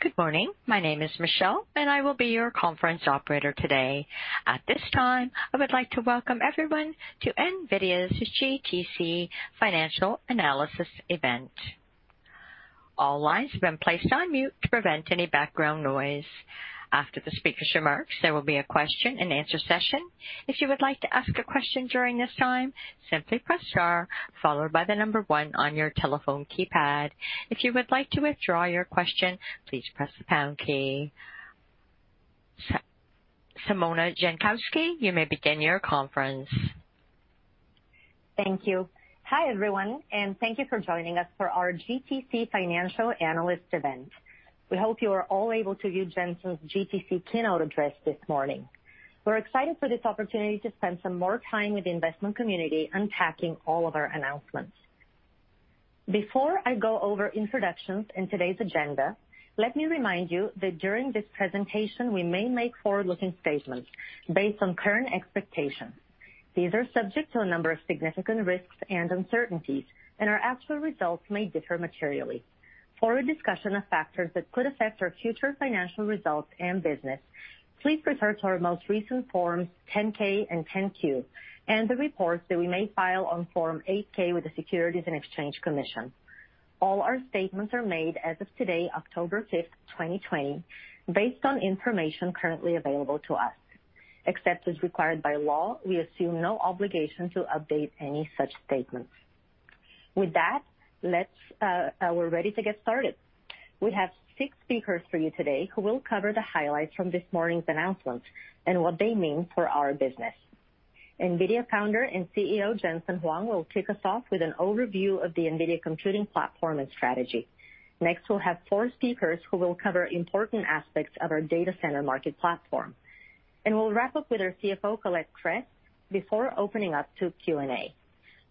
Good morning. My name is Michelle, and I will be your conference operator today. At this time, I would like to welcome everyone to NVIDIA's GTC Financial Analysis Event. All lines have been placed on mute to prevent any background noise. After the speaker's remarks, there will be a question-and-answer session. If you would like to ask a question during this time, simply press star followed by one on your telephone keypad. If you would like to withdraw your question, please press the pound key. Simona Jankowski, you may begin your conference. Thank you. Hi, everyone, and thank you for joining us for our GTC Financial Analyst event. We hope you are all able to view Jensen's GTC keynote address this morning. We're excited for this opportunity to spend some more time with the investment community unpacking all of our announcements. Before I go over introductions and today's agenda, let me remind you that during this presentation, we may make forward-looking statements based on current expectations. These are subject to a number of significant risks and uncertainties, and our actual results may differ materially. For a discussion of factors that could affect our future financial results and business, please refer to our most recent Forms 10-K and 10-Q, and the reports that we may file on Form 8-K with the Securities and Exchange Commission. All our statements are made as of today, October 5th, 2020, based on information currently available to us. Except as required by law, we assume no obligation to update any such statements. With that, we're ready to get started. We have six speakers for you today who will cover the highlights from this morning's announcements and what they mean for our business. NVIDIA founder and CEO, Jensen Huang, will kick us off with an overview of the NVIDIA computing platform and strategy. Next, we'll have four speakers who will cover important aspects of our data center market platform. We'll wrap up with our CFO, Colette Kress, before opening up to Q&A.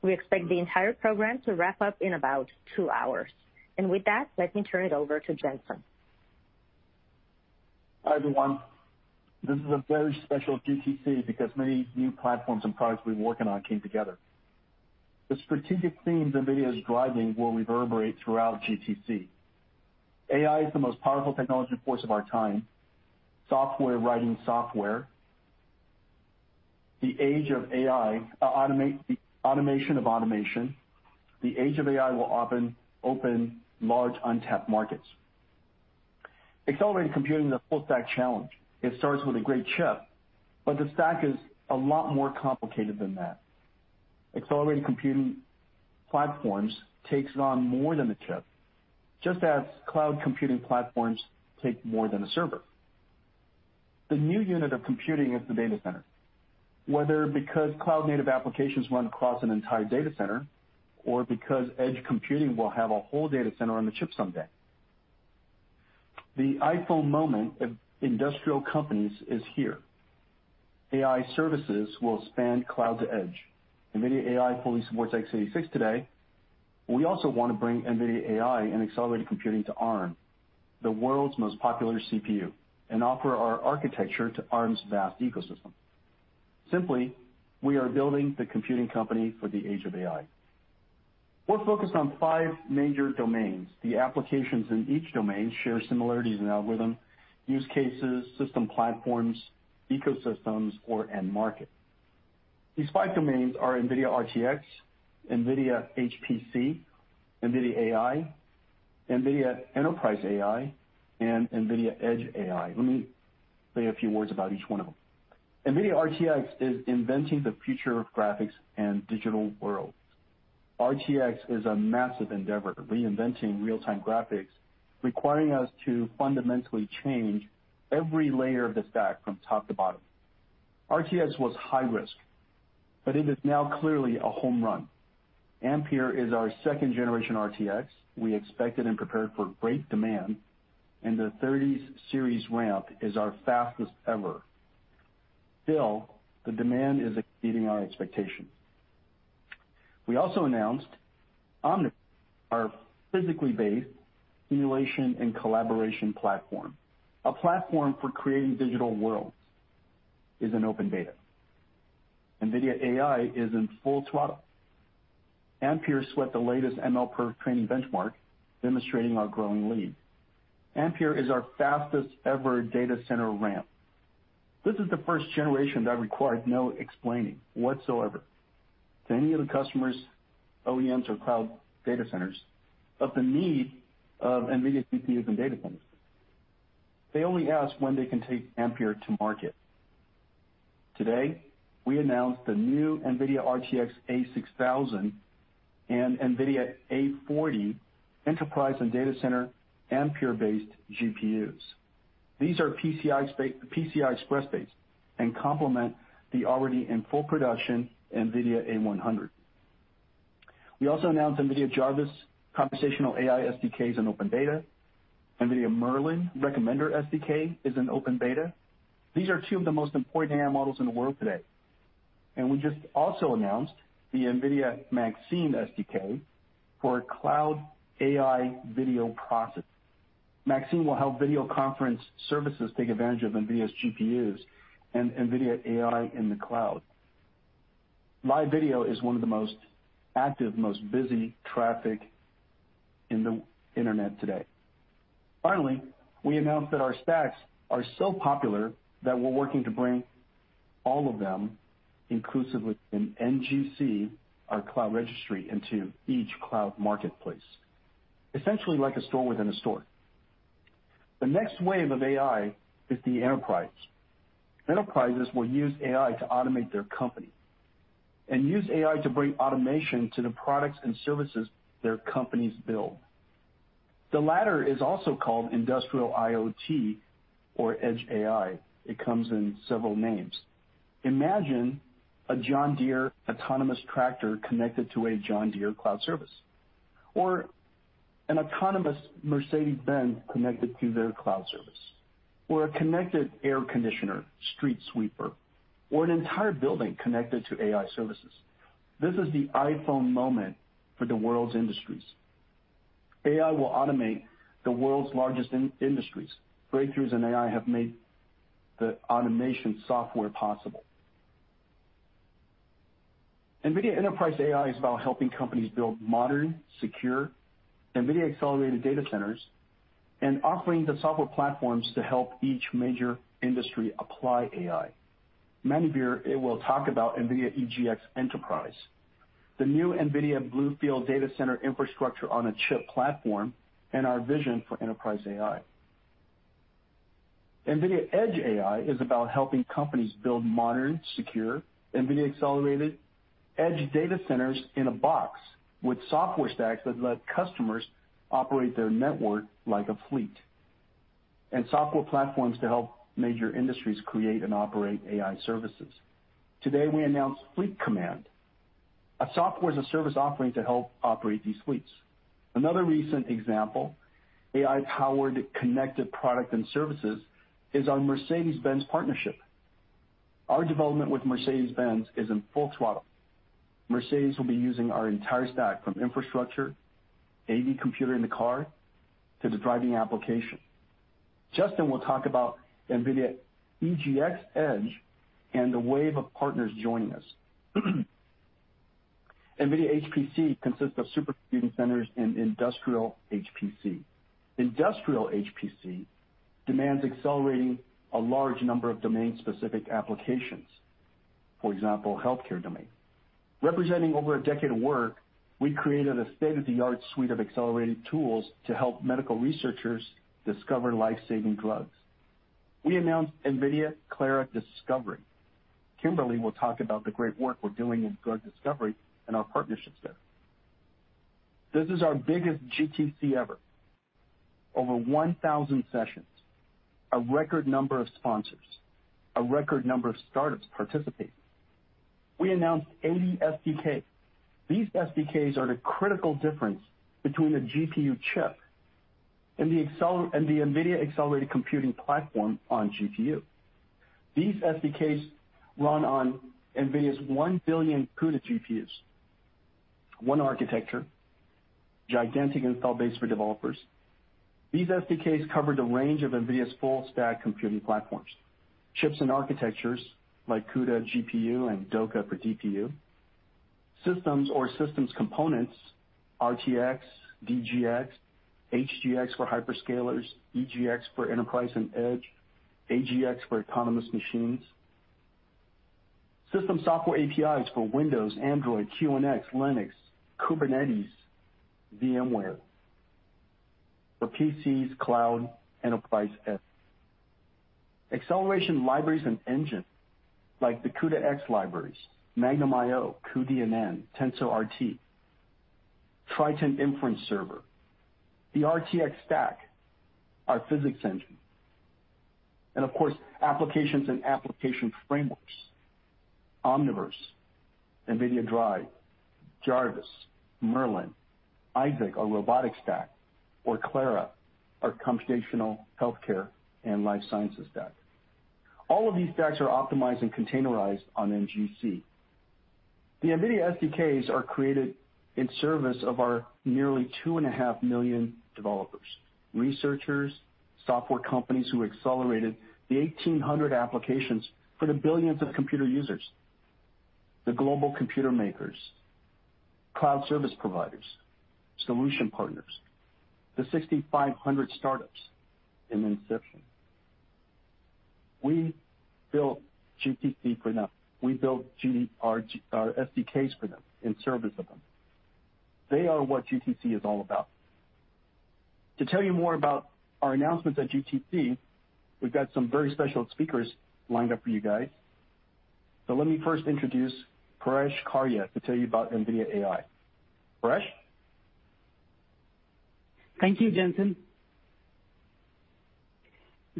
We expect the entire program to wrap up in about two hours. With that, let me turn it over to Jensen. Hi, everyone. This is a very special GTC because many new platforms and products we've been working on came together. The strategic themes NVIDIA is driving will reverberate throughout GTC. AI is the most powerful technology force of our time. Software writing software. The age of AI. The automation of automation. The age of AI will open large untapped markets. Accelerated computing is a full stack challenge. It starts with a great chip. The stack is a lot more complicated than that. Accelerated computing platforms takes on more than a chip, just as cloud computing platforms take more than a server. The new unit of computing is the data center, whether because cloud-native applications run across an entire data center or because edge computing will have a whole data center on the chip someday. The iPhone moment of industrial companies is here. AI services will span cloud to edge. NVIDIA AI fully supports x86 today. We also wanna bring NVIDIA AI and accelerated computing to ARM, the world's most popular CPU, and offer our architecture to ARM's vast ecosystem. Simply, we are building the computing company for the age of AI. We're focused on five major domains. The applications in each domain share similarities in algorithm, use cases, system platforms, ecosystems, or/and market. These five domains are NVIDIA RTX, NVIDIA HPC, NVIDIA AI, NVIDIA Enterprise AI, and NVIDIA Edge AI. Let me say a few words about each one of them. NVIDIA RTX is inventing the future of graphics and digital worlds. RTX is a massive endeavor, reinventing real-time graphics, requiring us to fundamentally change every layer of the stack from top to bottom. RTX was high risk, but it is now clearly a home run. Ampere is our second-generation RTX. We expected and prepared for great demand. The 30 series ramp is our fastest ever. The demand is exceeding our expectation. We also announced Omniverse, our physically based simulation and collaboration platform. A platform for creating digital worlds is in open beta. NVIDIA AI is in full throttle. Ampere swept the latest MLPerf training benchmark, demonstrating our growing lead. Ampere is our fastest ever data center ramp. This is the first-generation that required no explaining whatsoever to any of the customers, OEMs or cloud data centers of the need of NVIDIA GPUs in data centers. They only ask when they can take Ampere to market. Today, we announced the new NVIDIA RTX A6000 and NVIDIA A40 enterprise and data center Ampere-based GPUs. These are PCI Express based and complement the already in full production NVIDIA A100. We also announced NVIDIA Jarvis conversational AI SDKs in open beta. NVIDIA Merlin Recommender SDK is in open beta. These are two of the most important AI models in the world today. We just also announced the NVIDIA Maxine SDK for cloud AI video processing. Maxine will help video conference services take advantage of NVIDIA GPUs and NVIDIA AI in the cloud. Live video is one of the most active, most busy traffic in the internet today. Finally, we announced that our stacks are so popular that we're working to bring all of them, inclusively in NGC, our cloud registry, into each cloud marketplace. Essentially like a store within a store. The next wave of AI is the enterprise. Enterprises will use AI to automate their company and use AI to bring automation to the products and services their companies build. The latter is also called industrial IoT or Edge AI. It comes in several names. Imagine a John Deere autonomous tractor connected to a John Deere cloud service, or an autonomous Mercedes-Benz connected to their cloud service, or a connected air conditioner, street sweeper, or an entire building connected to AI services. This is the iPhone moment for the world's industries. AI will automate the world's largest industries. Breakthroughs in AI have made the automation software possible. NVIDIA Enterprise AI is about helping companies build modern, secure, NVIDIA-accelerated data centers and offering the software platforms to help each major industry apply AI. Manuvir will talk about NVIDIA EGX Enterprise, the new NVIDIA BlueField data center infrastructure on a chip platform, and our vision for enterprise AI. NVIDIA Edge AI is about helping companies build modern, secure, NVIDIA-accelerated edge data centers in a box with software stacks that let customers operate their network like a fleet, and software platforms to help major industries create and operate AI services. Today, we announced Fleet Command, a software-as-a-service offering to help operate these fleets. Another recent example, AI-powered connected product and services, is our Mercedes-Benz partnership. Our development with Mercedes-Benz is in full throttle. Mercedes will be using our entire stack from infrastructure, AV computer in the car, to the driving application. Justin will talk about NVIDIA EGX Edge and the wave of partners joining us. NVIDIA HPC consists of supercomputing centers and industrial HPC. Industrial HPC demands accelerating a large number of domain-specific applications. For example, healthcare domain. Representing over a decade of work, we created a state-of-the-art suite of accelerated tools to help medical researchers discover life-saving drugs. We announced NVIDIA Clara Discovery. Kimberly will talk about the great work we're doing in drug discovery and our partnerships there. This is our biggest GTC ever. Over 1,000 sessions, a record number of sponsors, a record number of startups participating. We announced 80 SDKs. These SDKs are the critical difference between a GPU chip and the NVIDIA accelerated computing platform on GPU. These SDKs run on NVIDIA's 1 billion CUDA GPUs. One architecture, gigantic install base for developers. These SDKs cover the range of NVIDIA's full stack computing platforms. Chips and architectures like CUDA, GPU, and DOCA for DPU. Systems or systems components, RTX, DGX, HGX for hyperscalers, EGX for enterprise and edge, AGX for autonomous machines. System software APIs for Windows, Android, QNX, Linux, Kubernetes, VMware. For PCs, cloud, enterprise edge. Acceleration libraries and engine, like the CUDA-X libraries, Magnum IO, cuDNN, TensorRT, Triton Inference Server, the RTX stack, our PhysX Engine, and of course, applications and application frameworks. Omniverse, NVIDIA DRIVE, Jarvis, Merlin, Isaac, our robotics stack, or Clara, our computational healthcare and life sciences stack. All of these stacks are optimized and containerized on NGC. The NVIDIA SDKs are created in service of our nearly 2.5 million developers, researchers, software companies who accelerated the 1,800 applications for the billions of computer users, the global computer makers, cloud service providers, solution partners, the 6,500 startups in Inception. We built GTC for them. We built our SDKs for them in service of them. They are what GTC is all about. To tell you more about our announcements at GTC, we've got some very special speakers lined up for you guys. Let me first introduce Paresh Kharya to tell you about NVIDIA AI. Paresh? Thank you, Jensen.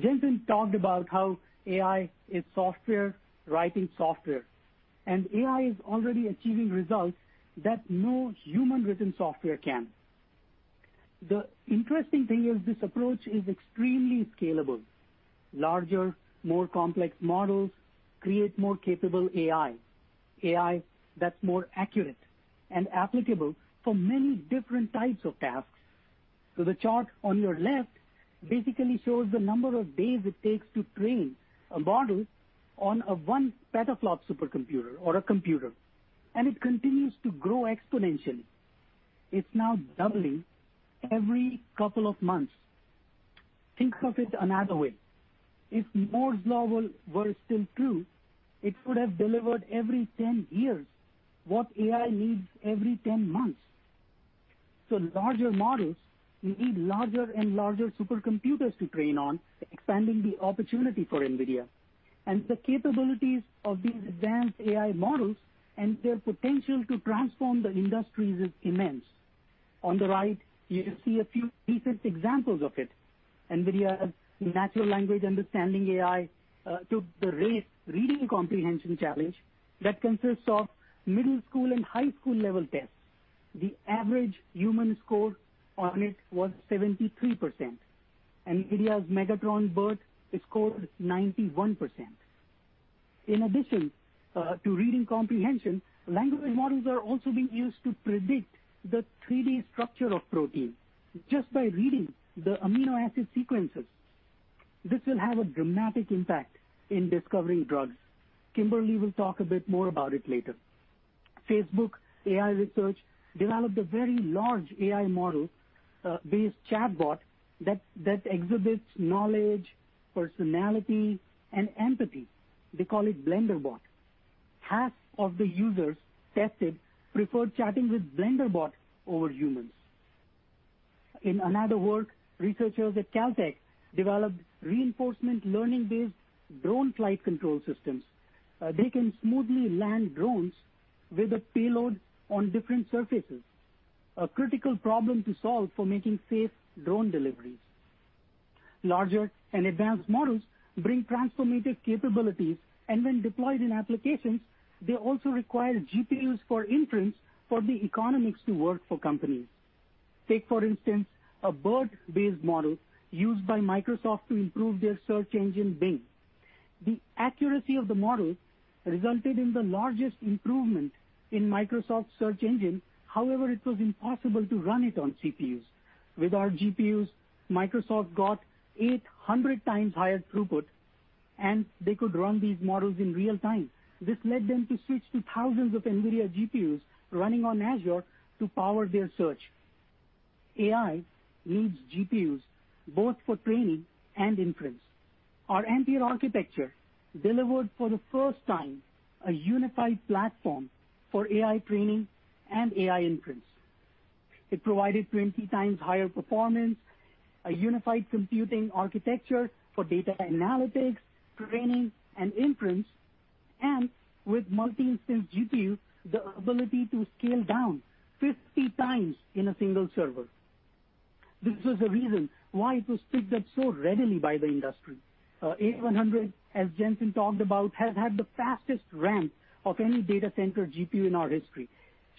Jensen talked about how AI is software writing software, and AI is already achieving results that no human-written software can. The interesting thing is this approach is extremely scalable. Larger, more complex models create more capable AI that's more accurate and applicable for many different types of tasks. The chart on your left basically shows the number of days it takes to train a model on a one petaflop supercomputer or a computer, and it continues to grow exponentially. It's now doubling every couple months. Think of it another way. If Moore's Law were still true, it would have delivered every 10 years what AI needs every 10 months. Larger models will need larger and larger supercomputers to train on, expanding the opportunity for NVIDIA. The capabilities of these advanced AI models and their potential to transform the industries is immense. On the right, you see a few recent examples of it. NVIDIA's natural language understanding AI took the RACE reading comprehension challenge that consists of middle school and high school level tests. The average human score on it was 73%. NVIDIA's Megatron-BERT scored 91%. In addition, to reading comprehension, language models are also being used to predict the 3D structure of protein just by reading the amino acid sequences. This will have a dramatic impact in discovering drugs. Kimberly will talk a bit more about it later. Facebook AI Research developed a very large AI model based chatbot that exhibits knowledge, personality, and empathy. They call it BlenderBot. Half of the users tested preferred chatting with BlenderBot over humans. In another work, researchers at Caltech developed reinforcement learning-based drone flight control systems. They can smoothly land drones with a payload on different surfaces, a critical problem to solve for making safe drone deliveries. Larger and advanced models bring transformative capabilities, and when deployed in applications, they also require GPUs for inference for the economics to work for companies. Take, for instance, a BERT-based model used by Microsoft to improve their search engine, Bing. The accuracy of the model resulted in the largest improvement in Microsoft's search engine. However, it was impossible to run it on CPUs. With our GPUs, Microsoft got 800 times higher throughput, and they could run these models in real time. This led them to switch to thousands of NVIDIA GPUs running on Azure to power their search. AI needs GPUs both for training and inference. Our Ampere architecture delivered for the first time a unified platform for AI training and AI inference. It provided 20 times higher performance, a unified computing architecture for data analytics, training, and inference, and with Multi-Instance GPU, the ability to scale down 50 times in a single server. This was the reason why it was picked up so readily by the industry. A100, as Jensen talked about, has had the fastest ramp of any data center GPU in our history.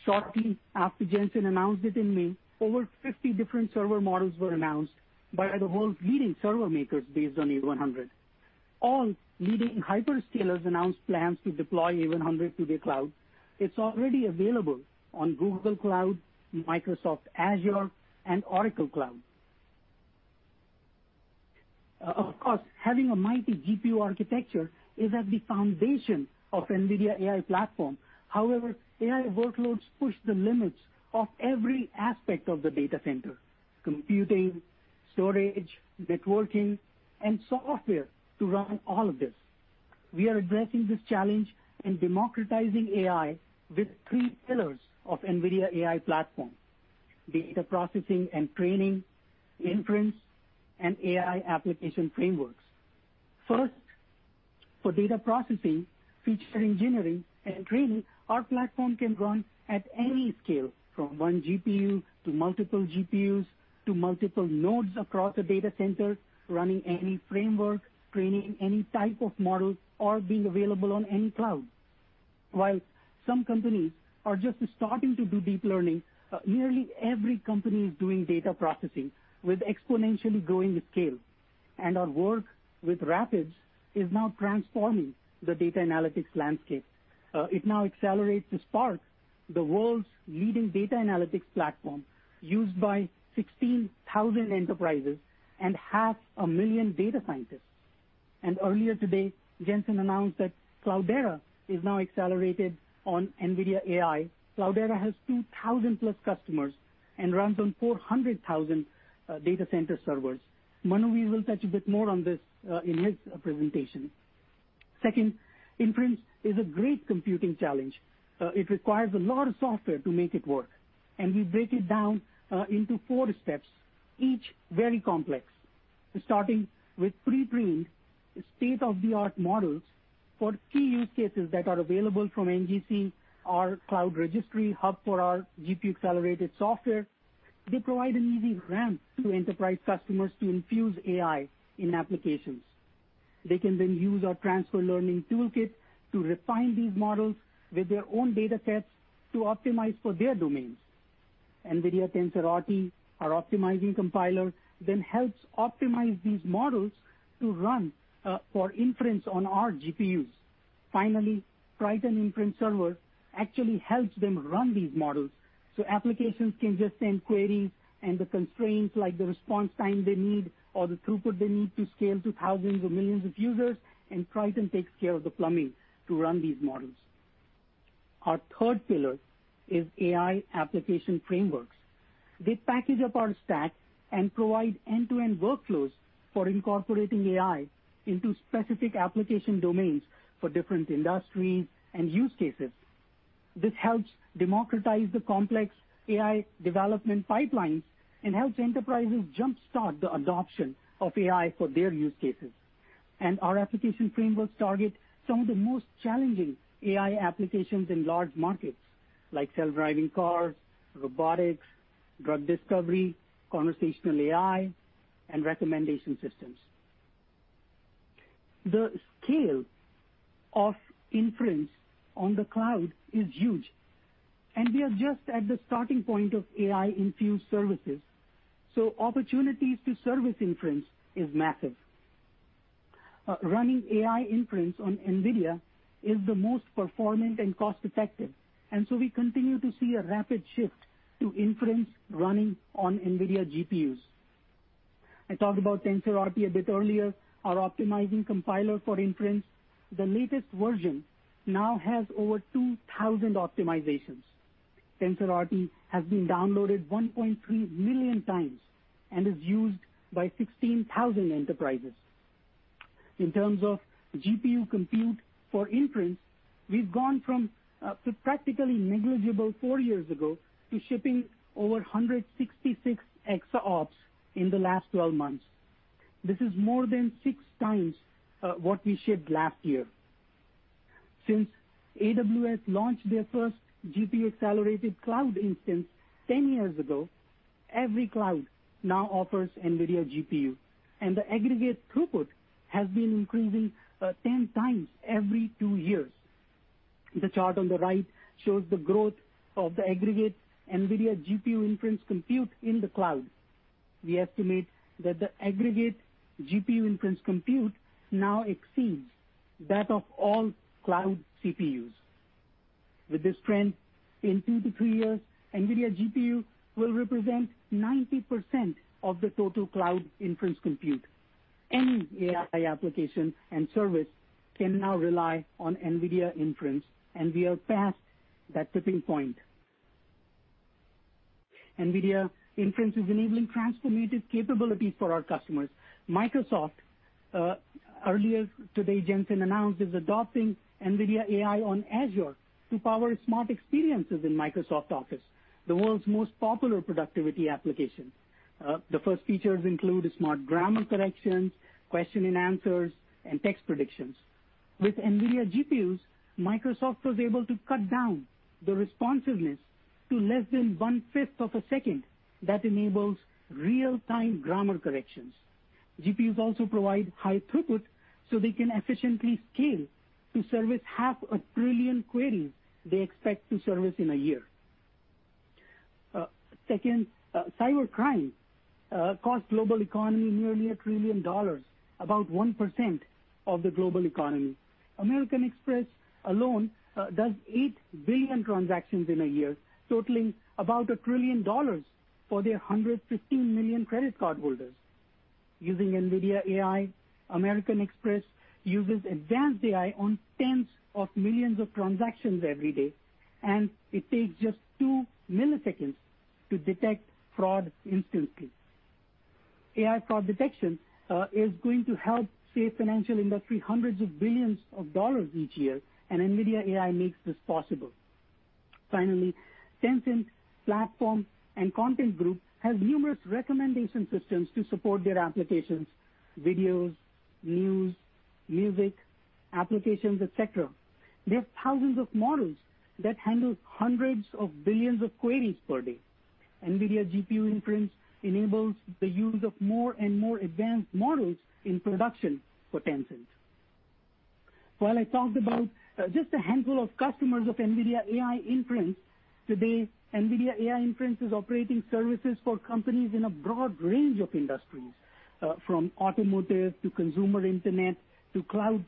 Shortly after Jensen announced it in May, over 50 different server models were announced by the world's leading server makers based on A100. All leading hyperscalers announced plans to deploy A100 to the cloud. It's already available on Google Cloud, Microsoft Azure, and Oracle Cloud. Of course, having a mighty GPU architecture is at the foundation of NVIDIA AI platform. However, AI workloads push the limits of every aspect of the data center, computing, storage, networking, and software to run all of this. We are addressing this challenge in democratizing AI with three pillars of NVIDIA AI platform: data processing and training, inference, and AI application frameworks. First, for data processing, feature engineering, and training, our platform can run at any scale from one GPU, to multiple GPUs, to multiple nodes across a data center, running any framework, training any type of models or being available on any cloud. While some companies are just starting to do deep learning, nearly every company is doing data processing with exponentially growing scale. Our work with RAPIDS is now transforming the data analytics landscape. It now accelerates Spark, the world's leading data analytics platform used by 16,000 enterprises and 500,000 data scientists. Earlier today, Jensen announced that Cloudera is now accelerated on NVIDIA AI. Cloudera has 2,000+ customers and runs on 400,000 data center servers. Manuvir will touch a bit more on this in his presentation. Second, inference is a great computing challenge. It requires a lot of software to make it work, and we break it down into four steps, each very complex. Starting with pre-trained state-of-the-art models for key use cases that are available from NGC, our cloud registry hub for our GPU accelerated software. They provide an easy ramp to enterprise customers to infuse AI in applications. They can then use our Transfer Learning Toolkit to refine these models with their own datasets to optimize for their domains. NVIDIA TensorRT, our optimizing compiler, then helps optimize these models to run for inference on our GPUs. Finally, Triton Inference Server actually helps them run these models. Applications can just send queries and the constraints like the response time they need or the throughput they need to scale to thousands or millions of users. Triton takes care of the plumbing to run these models. Our third pillar is AI application frameworks. They package up our stack and provide end-to-end workflows for incorporating AI into specific application domains for different industries and use cases. This helps democratize the complex AI development pipelines and helps enterprises jumpstart the adoption of AI for their use cases. Our application frameworks target some of the most challenging AI applications in large markets like self-driving cars, robotics, drug discovery, conversational AI, and recommendation systems. The scale of inference on the cloud is huge, and we are just at the starting point of AI-infused services, so opportunities to service inference is massive. Running AI inference on NVIDIA is the most performant and cost-effective, and so we continue to see a rapid shift to inference running on NVIDIA GPUs. I talked about TensorRT a bit earlier, our optimizing compiler for inference. The latest version now has over 2,000 optimizations. TensorRT has been downloaded 1.3 million times and is used by 16,000 enterprises. In terms of GPU compute for inference, we've gone from practically negligible four years ago to shipping over 166 ExaOPS in the last 12 months. This is more than six times what we shipped last year. Since AWS launched their first GPU-accelerated cloud instance 10 years ago, every cloud now offers NVIDIA GPU. The aggregate throughput has been increasing 10 times every two years. The chart on the right shows the growth of the aggregate NVIDIA GPU inference compute in the cloud. We estimate that the aggregate GPU inference compute now exceeds that of all cloud CPUs. With this trend, in 2-3 years, NVIDIA GPU will represent 90% of the total cloud inference compute. Any AI application and service can now rely on NVIDIA inference. We are past that tipping point. NVIDIA inference is enabling transformative capabilities for our customers. Microsoft, earlier today Jensen announced, is adopting NVIDIA AI on Azure to power smart experiences in Microsoft Office, the world's most popular productivity application. The first features include smart grammar corrections, question and answers, and text predictions. With NVIDIA GPUs, Microsoft was able to cut down the responsiveness to less than one-fifth of a second. That enables real-time grammar corrections. GPUs also provide high throughput so they can efficiently scale to service $0.5 trillion queries they expect to service in a year. Second, cybercrime cost global economy nearly $1 trillion, about 1% of the global economy. American Express alone does $8 billion transactions in a year, totaling about $1 trillion for their 115 million credit card holders. Using NVIDIA AI, American Express uses advanced AI on tens of millions of transactions every day, and it takes just two milliseconds to detect fraud instantly. AI fraud detection is going to help save financial industry hundreds of billions of dollars each year, and NVIDIA AI makes this possible. Finally, Tencent's Platform and Content Group has numerous recommendation systems to support their applications, videos, news, music, applications, et cetera. They have thousands of models that handle hundreds of billions of queries per day. NVIDIA GPU inference enables the use of more and more advanced models in production for Tencent. While I talked about just a handful of customers of NVIDIA AI inference, today NVIDIA AI inference is operating services for companies in a broad range of industries, from automotive to consumer internet, to cloud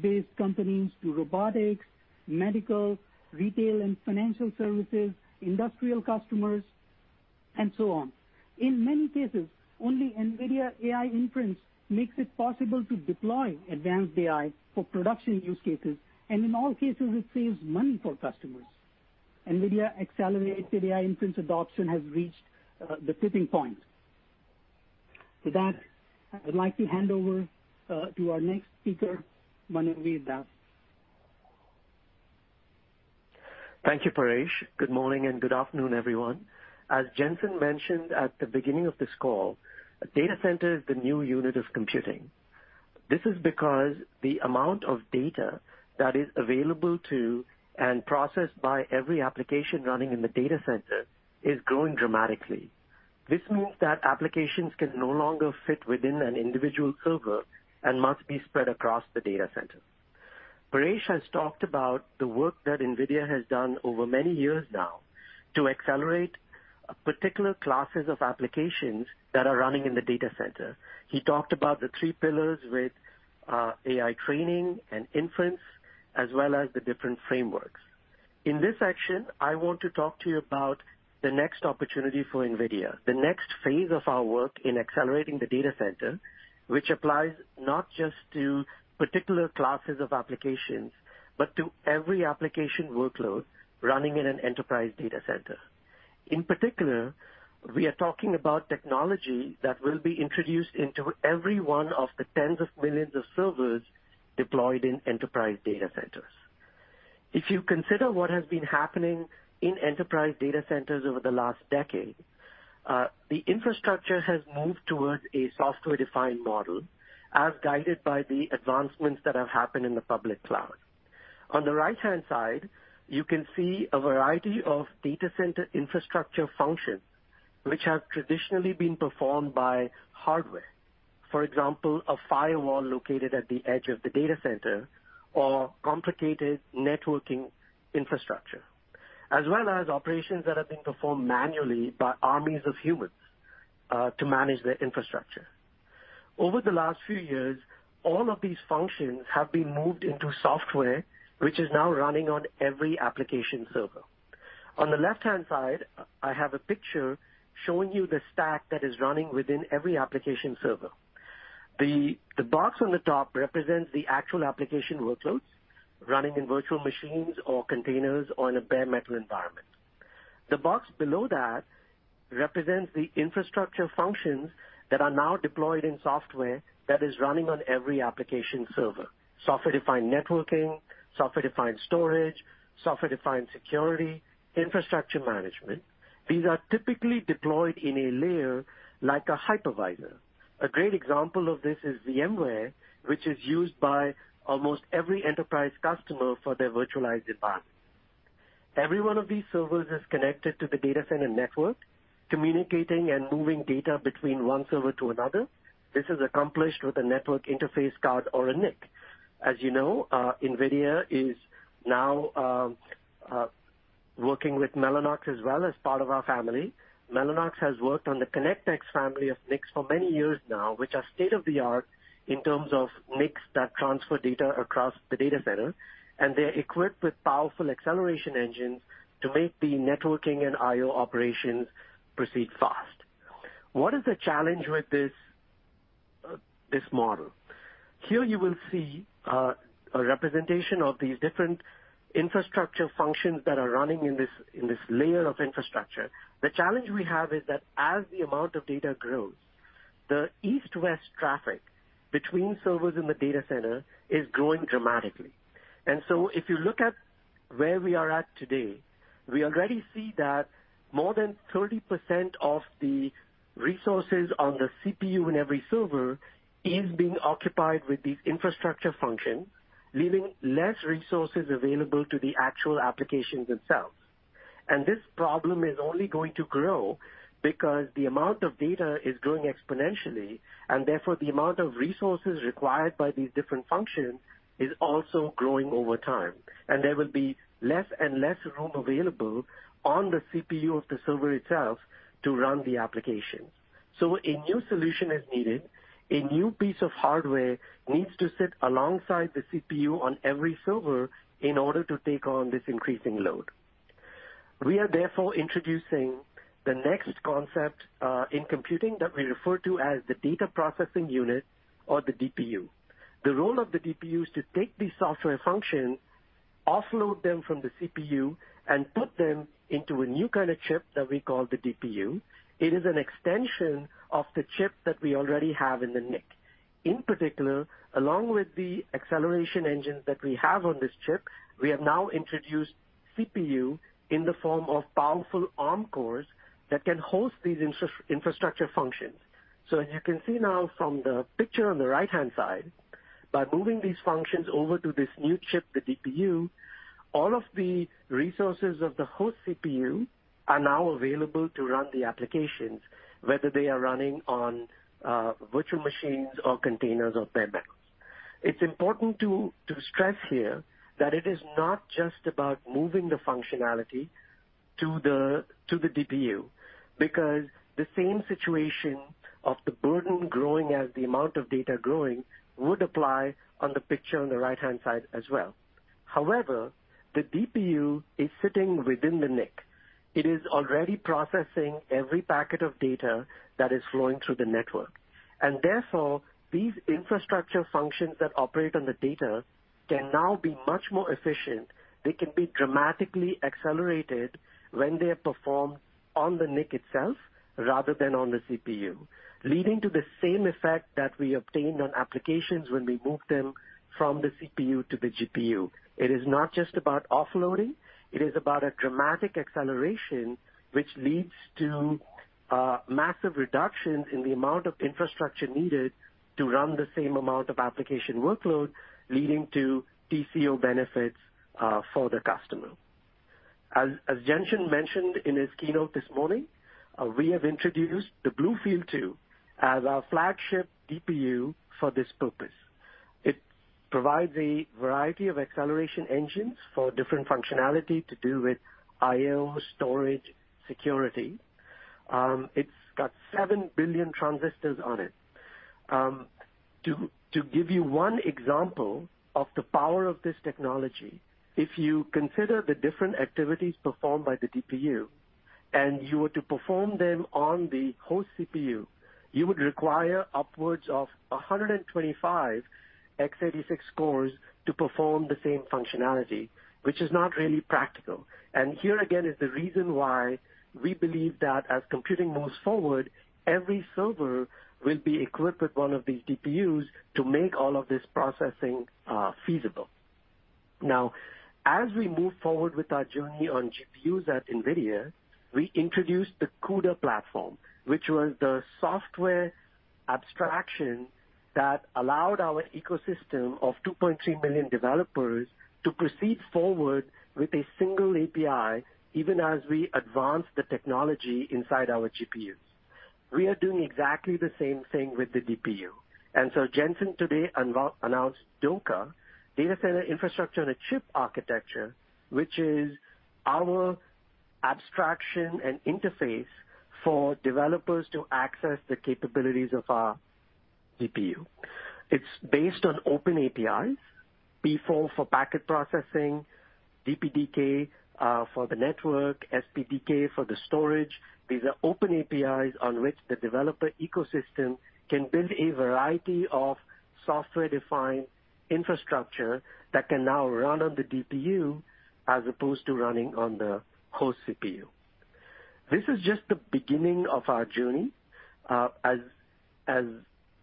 based companies, to robotics, medical, retail and financial services, industrial customers, and so on. In many cases, only NVIDIA AI inference makes it possible to deploy advanced AI for production use cases, and in all cases, it saves money for customers. NVIDIA accelerated AI inference adoption has reached the tipping point. With that, I would like to hand over to our next speaker, Manuvir Das. Thank you, Paresh. Good morning and good afternoon, everyone. As Jensen mentioned at the beginning of this call, a data center is the new unit of computing. This is because the amount of data that is available to and processed by every application running in the data center is growing dramatically. This means that applications can no longer fit within an individual server and must be spread across the data center. Paresh has talked about the work that NVIDIA has done over many years now to accelerate particular classes of applications that are running in the data center. He talked about the three pillars with AI training and inference, as well as the different frameworks. In this section, I want to talk to you about the next opportunity for NVIDIA, the next phase of our work in accelerating the data center, which applies not just to particular classes of applications, but to every application workload running in an enterprise data center. In particular, we are talking about technology that will be introduced into every one of the tens of millions of servers deployed in enterprise data centers. If you consider what has been happening in enterprise data centers over the last decade, the infrastructure has moved towards a software-defined model as guided by the advancements that have happened in the public cloud. On the right-hand side, you can see a variety of data center infrastructure functions which have traditionally been performed by hardware. For example, a firewall located at the edge of the data center or complicated networking infrastructure. As well as operations that have been performed manually by armies as humans to manage their infrastructure. Over the last few years, all of these functions have been moved into software, which is now running on every application server. On the left-hand side, I have a picture showing you the stack that is running within every application server. The box on the top represents the actual application workloads running in virtual machines or containers on a bare metal environment. The box below that represents the infrastructure functions that are now deployed in software that is running on every application server. Software-defined networking, software-defined storage, software-defined security, infrastructure management. These are typically deployed in a layer like a hypervisor. A great example of this is VMware, which is used by almost every enterprise customer for their virtualized environments. Every one of these servers is connected to the data center network, communicating and moving data between one server to another. This is accomplished with a network interface card or a NIC. As you know, NVIDIA is now working with Mellanox as well as part of our family. Mellanox has worked on the ConnectX family of NICs for many years now, which are state-of-the-art in terms of NICs that transfer data across the data center, and they're equipped with powerful acceleration engines to make the networking and IO operations proceed fast. What is the challenge with this model? Here you will see a representation of these different infrastructure functions that are running in this, in this layer of infrastructure. The challenge we have is that as the amount of data grows, the east-west traffic between servers in the data center is growing dramatically. If you look at where we are at today, we already see that more than 30% of the resources on the CPU in every server is being occupied with these infrastructure functions, leaving less resources available to the actual applications themselves. This problem is only going to grow because the amount of data is growing exponentially, and therefore the amount of resources required by these different functions is also growing over time. There will be less and less room available on the CPU of the server itself to run the applications. A new solution is needed. A new piece of hardware needs to sit alongside the CPU on every server in order to take on this increasing load. We are therefore introducing the next concept in computing that we refer to as the Data Processing Unit or the DPU. The role of the DPU is to take these software functions, offload them from the CPU and put them into a new kind of chip that we call the DPU. It is an extension of the chip that we already have in the NIC. In particular, along with the acceleration engines that we have on this chip, we have now introduced CPU in the form of powerful ARM cores that can host these infrastructure functions. As you can see now from the picture on the right-hand side, by moving these functions over to this new chip, the DPU, all of the resources of the host CPU are now available to run the applications, whether they are running on virtual machines or containers or bare metals. It's important to stress here that it is not just about moving the functionality to the DPU, because the same situation of the burden growing as the amount of data growing would apply on the picture on the right-hand side as well. However, the DPU is sitting within the NIC. It is already processing every packet of data that is flowing through the network. Therefore, these infrastructure functions that operate on the data can now be much more efficient. They can be dramatically accelerated when they are performed on the NIC itself rather than on the CPU, leading to the same effect that we obtained on applications when we moved them from the CPU to the GPU. It is not just about offloading. It is about a dramatic acceleration, which leads to massive reductions in the amount of infrastructure needed to run the same amount of application workload, leading to TCO benefits for the customer. As Jensen mentioned in his keynote this morning, we have introduced the BlueField-2 as our flagship DPU for this purpose. It provides a variety of acceleration engines for different functionality to do with IO storage security. It's got 7 billion transistors on it. To give you one example of the power of this technology, if you consider the different activities performed by the DPU, and you were to perform them on the host CPU, you would require upwards of 125 x86 cores to perform the same functionality, which is not really practical. Here again is the reason why we believe that as computing moves forward, every server will be equipped with one of these DPUs to make all of this processing feasible. As we move forward with our journey on GPUs at NVIDIA, we introduced the CUDA platform, which was the software abstraction that allowed our ecosystem of 2.3 billion developers to proceed forward with a single API, even as we advanced the technology inside our GPUs. We are doing exactly the same thing with the DPU. Jensen today announced DOCA, Data Center Infrastructure on a Chip Architecture, which is our abstraction and interface for developers to access the capabilities of our DPU. It's based on open APIs, P4 for packet processing, DPDK for the network, SPDK for the storage. These are open APIs on which the developer ecosystem can build a variety of software-defined infrastructure that can now run on the DPU as opposed to running on the host CPU. As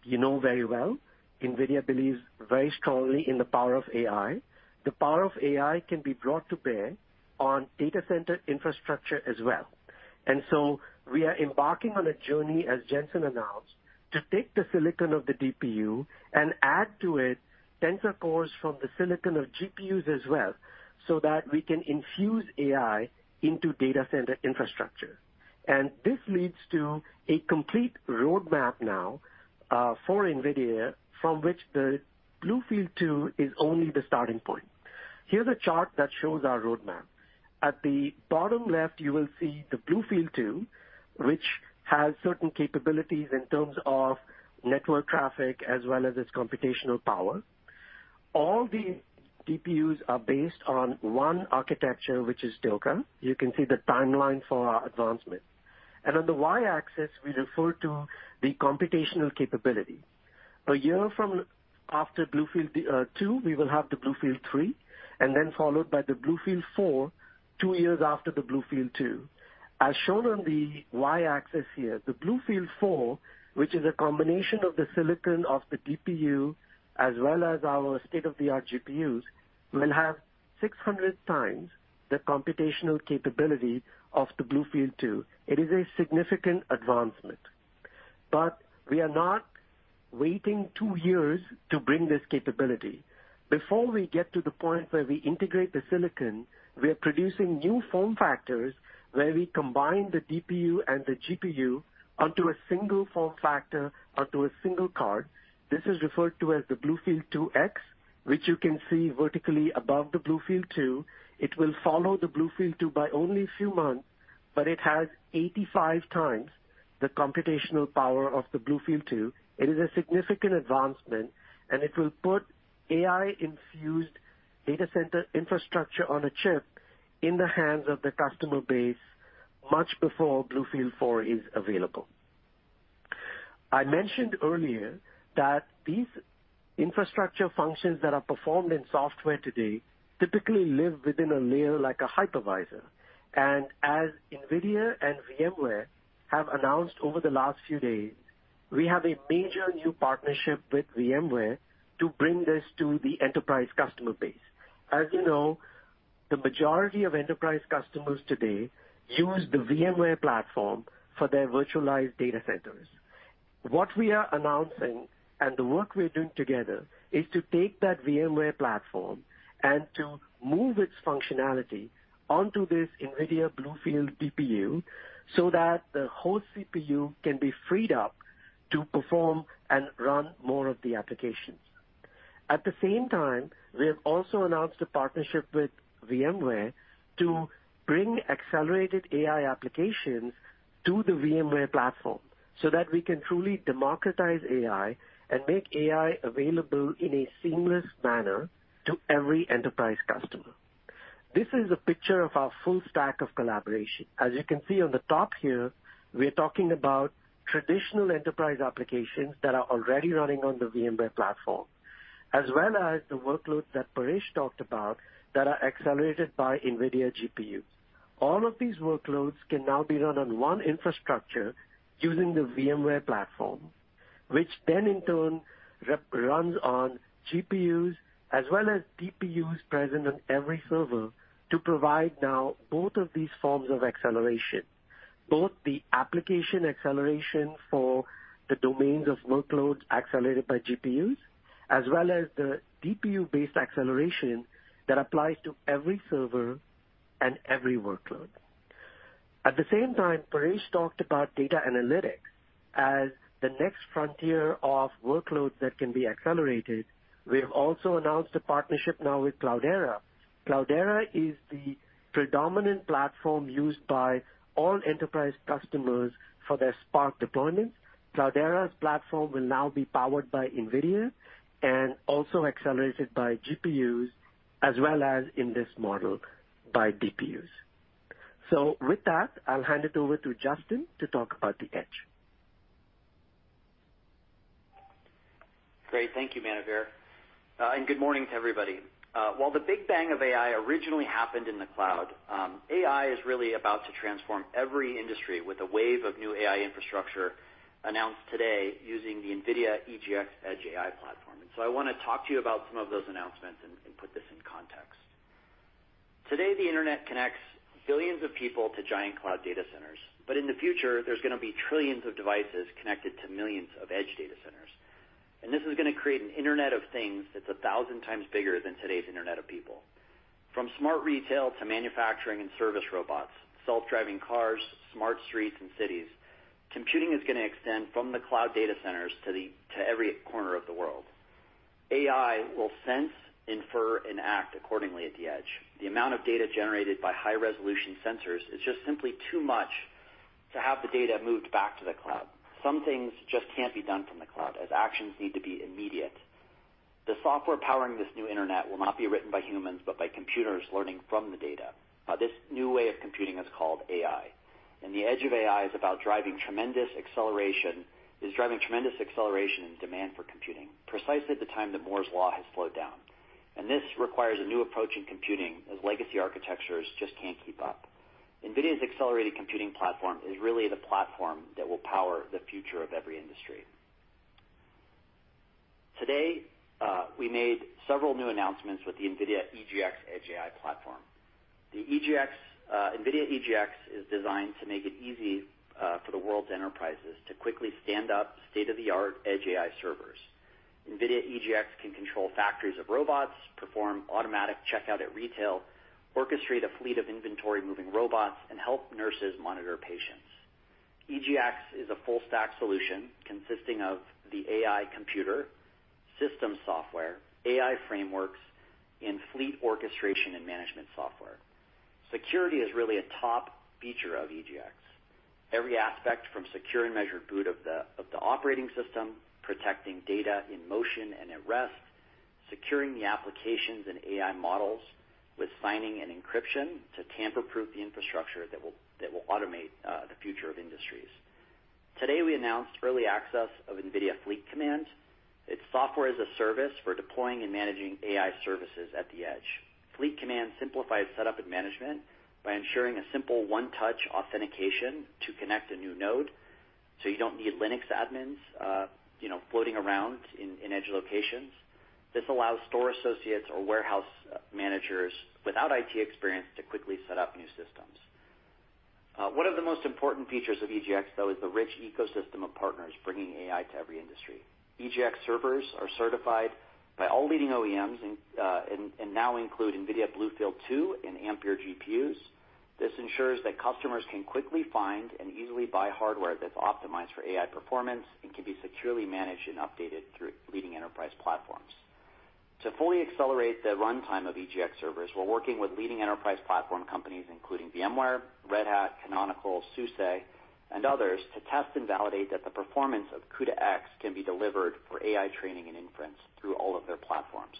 you know very well, NVIDIA believes very strongly in the power of AI. The power of AI can be brought to bear on data center infrastructure as well. We are embarking on a journey, as Jensen announced, to take the silicon of the DPU and add to it Tensor Cores from the silicon of GPUs as well, so that we can infuse AI into data center infrastructure. This leads to a complete roadmap now for NVIDIA, from which the BlueField-2 is only the starting point. Here's a chart that shows our roadmap. At the bottom left, you will see the BlueField-2, which has certain capabilities in terms of network traffic as well as its computational power. All the DPUs are based on one architecture, which is DOCA. You can see the timeline for our advancement. On the Y-axis, we refer to the computational capability. A year from after BlueField-2, we will have the BlueField-3, followed by the BlueField-4 two years after the BlueField-2. As shown on the Y-axis here, the BlueField-4, which is a combination of the silicon of the DPU as well as our state-of-the-art GPUs, will have 600 times the computational capability of the BlueField-2. It is a significant advancement. We are not waiting two years to bring this capability. Before we get to the point where we integrate the silicon, we are producing new form factors where we combine the DPU and the GPU onto a single form factor, onto a single card. This is referred to as the BlueField-2X, which you can see vertically above the BlueField-2. It will follow the BlueField-2 by only a few months, but it has 85 times the computational power of the BlueField-2. It is a significant advancement, and it will put AI-infused data center infrastructure on a chip in the hands of the customer base much before BlueField-4 is available. I mentioned earlier that these infrastructure functions that are performed in software today typically live within a layer like a hypervisor. As NVIDIA and VMware have announced over the last few days, we have a major new partnership with VMware to bring this to the enterprise customer base. As you know, the majority of enterprise customers today use the VMware platform for their virtualized data centers. What we are announcing and the work we are doing together is to take that VMware platform and to move its functionality onto this NVIDIA BlueField DPU so that the host CPU can be freed up to perform and run more of the applications. At the same time, we have also announced a partnership with VMware to bring accelerated AI applications to the VMware platform so that we can truly democratize AI and make AI available in a seamless manner to every enterprise customer. This is a picture of our full stack of collaboration. As you can see on the top here, we are talking about traditional enterprise applications that are already running on the VMware platform, as well as the workloads that Paresh talked about that are accelerated by NVIDIA GPU. All of these workloads can now be run on one infrastructure using the VMware platform, which then in turn runs on GPUs as well as DPUs present on every server to provide now both of these forms of acceleration. Both the application acceleration for the domains of workloads accelerated by GPUs, as well as the DPU-based acceleration that applies to every server and every workload. At the same time, Paresh talked about data analytics as the next frontier of workloads that can be accelerated. We have also announced a partnership now with Cloudera. Cloudera is the predominant platform used by all enterprise customers for their Spark deployments. Cloudera's platform will now be powered by NVIDIA and also accelerated by GPUs as well as in this model by DPUs. With that, I'll hand it over to Justin to talk about the edge. Great. Thank you, Manuvir. Good morning to everybody. While the big bang of AI originally happened in the cloud, AI is really about to transform every industry with a wave of new AI infrastructure announced today using the NVIDIA EGX Edge AI platform. I wanna talk to you about some of those announcements and put this in context. Today, the Internet connects billions of people to giant cloud data centers, but in the future, there's gonna be trillions of devices connected to millions of edge data centers. This is gonna create an Internet of Things that's a 1,000 times bigger than today's Internet of people. From smart retail to manufacturing and service robots, self-driving cars, smart streets and cities, computing is gonna extend from the cloud data centers to every corner of the world. AI will sense, infer, and act accordingly at the edge. The amount of data generated by high-resolution sensors is just simply too much to have the data moved back to the cloud. Some things just can't be done from the cloud, as actions need to be immediate. The software powering this new internet will not be written by humans, but by computers learning from the data. This new way of computing is called AI, and the age of AI is about driving tremendous acceleration and demand for computing precisely at the time that Moore's Law has slowed down. This requires a new approach in computing, as legacy architectures just can't keep up. NVIDIA's accelerated computing platform is really the platform that will power the future of every industry. Today, we made several new announcements with the NVIDIA EGX Edge AI platform. The EGX NVIDIA EGX is designed to make it easy for the world's enterprises to quickly stand up state-of-the-art Edge AI servers. NVIDIA EGX can control factories of robots, perform automatic checkout at retail, orchestrate a fleet of inventory-moving robots, and help nurses monitor patients. EGX is a full-stack solution consisting of the AI computer, system software, AI frameworks, and fleet orchestration and management software. Security is really a top feature of EGX. Every aspect from secure and measured boot of the operating system, protecting data in motion and at rest, securing the applications and AI models with signing and encryption to tamper-proof the infrastructure that will automate the future of industries. Today, we announced early access of NVIDIA Fleet Command. It's software as a service for deploying and managing AI services at the edge. Fleet Command simplifies setup and management by ensuring a simple one-touch authentication to connect a new node, so you don't need Linux admins, you know, floating around in edge locations. This allows store associates or warehouse managers without IT experience to quickly set up new systems. One of the most important features of EGX, though, is the rich ecosystem of partners bringing AI to every industry. EGX servers are certified by all leading OEMs and now include NVIDIA BlueField-2 and Ampere GPUs. This ensures that customers can quickly find and easily buy hardware that's optimized for AI performance and can be securely managed and updated through leading enterprise platforms. To fully accelerate the runtime of EGX servers, we're working with leading enterprise platform companies, including VMware, Red Hat, Canonical, SUSE, and others, to test and validate that the performance of CUDA-X can be delivered for AI training and inference through all of their platforms.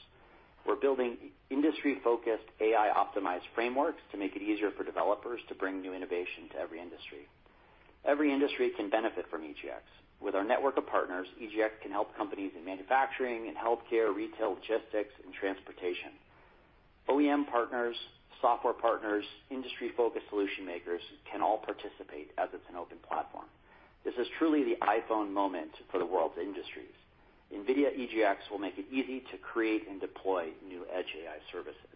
We're building industry-focused, AI-optimized frameworks to make it easier for developers to bring new innovation to every industry. Every industry can benefit from EGX. With our network of partners, EGX can help companies in manufacturing, in healthcare, retail, logistics, and transportation. OEM partners, software partners, industry-focused solution makers can all participate as it's an open platform. This is truly the iPhone moment for the world's industries. NVIDIA EGX will make it easy to create and deploy new Edge AI services.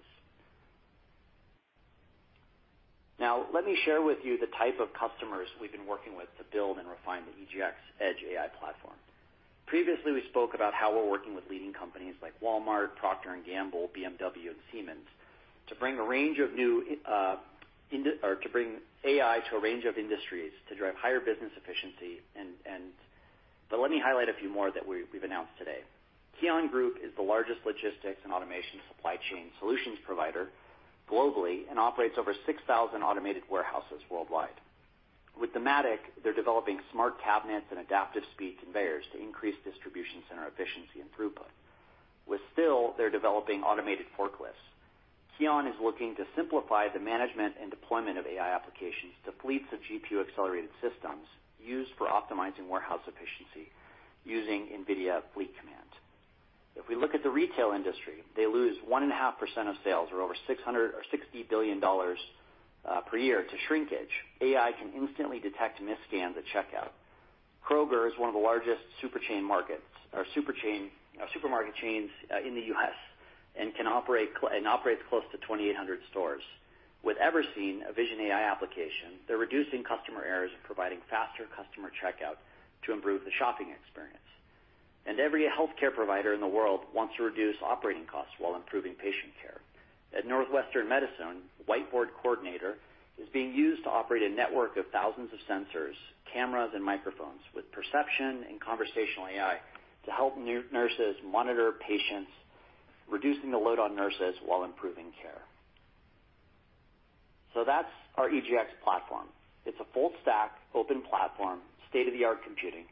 Now, let me share with you the type of customers we've been working with to build and refine the EGX Edge AI platform. Previously, we spoke about how we're working with leading companies like Walmart, Procter & Gamble, BMW, and Siemens to bring a range of new or to bring AI to a range of industries to drive higher business efficiency. Let me highlight a few more that we've announced today. KION Group is the largest logistics and automation supply chain solutions provider globally, operates over 6,000 automated warehouses worldwide. With Dematic, they're developing smart cabinets and adaptive speed conveyors to increase distribution center efficiency and throughput. With STILL, they're developing automated forklifts. KION is looking to simplify the management and deployment of AI applications to Fleets of GPU-accelerated systems used for optimizing warehouse efficiency using NVIDIA Fleet Command. If we look at the retail industry, they lose 1.5% of sales, or over $60 billion per year to shrinkage. AI can instantly detect mis-scans at checkout. Kroger is one of the largest supermarket chains in the U.S., and operates close to 2,800 stores. With Everseen, a vision AI application, they're reducing customer errors and providing faster customer checkout to improve the shopping experience. Every healthcare provider in the world wants to reduce operating costs while improving patient care. At Northwestern Medicine, Whiteboard Coordinator is being used to operate a network of thousands of sensors, cameras, and microphones with perception and conversational AI to help nurses monitor patients, reducing the load on nurses while improving care. That's our EGX platform. It's a full-stack, open platform, state-of-the-art computing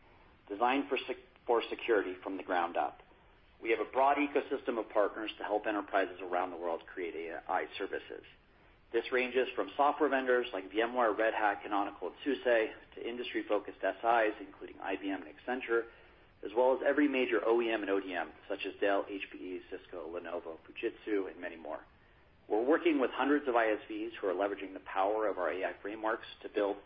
designed for security from the ground up. We have a broad ecosystem of partners to help enterprises around the world create AI services. This ranges from software vendors like VMware, Red Hat, Canonical, and SUSE, to industry-focused SIs, including IBM and Accenture, as well as every major OEM and ODM, such as Dell, HPE, Cisco, Lenovo, Fujitsu, and many more. We're working with hundreds of ISVs who are leveraging the power of our AI frameworks to build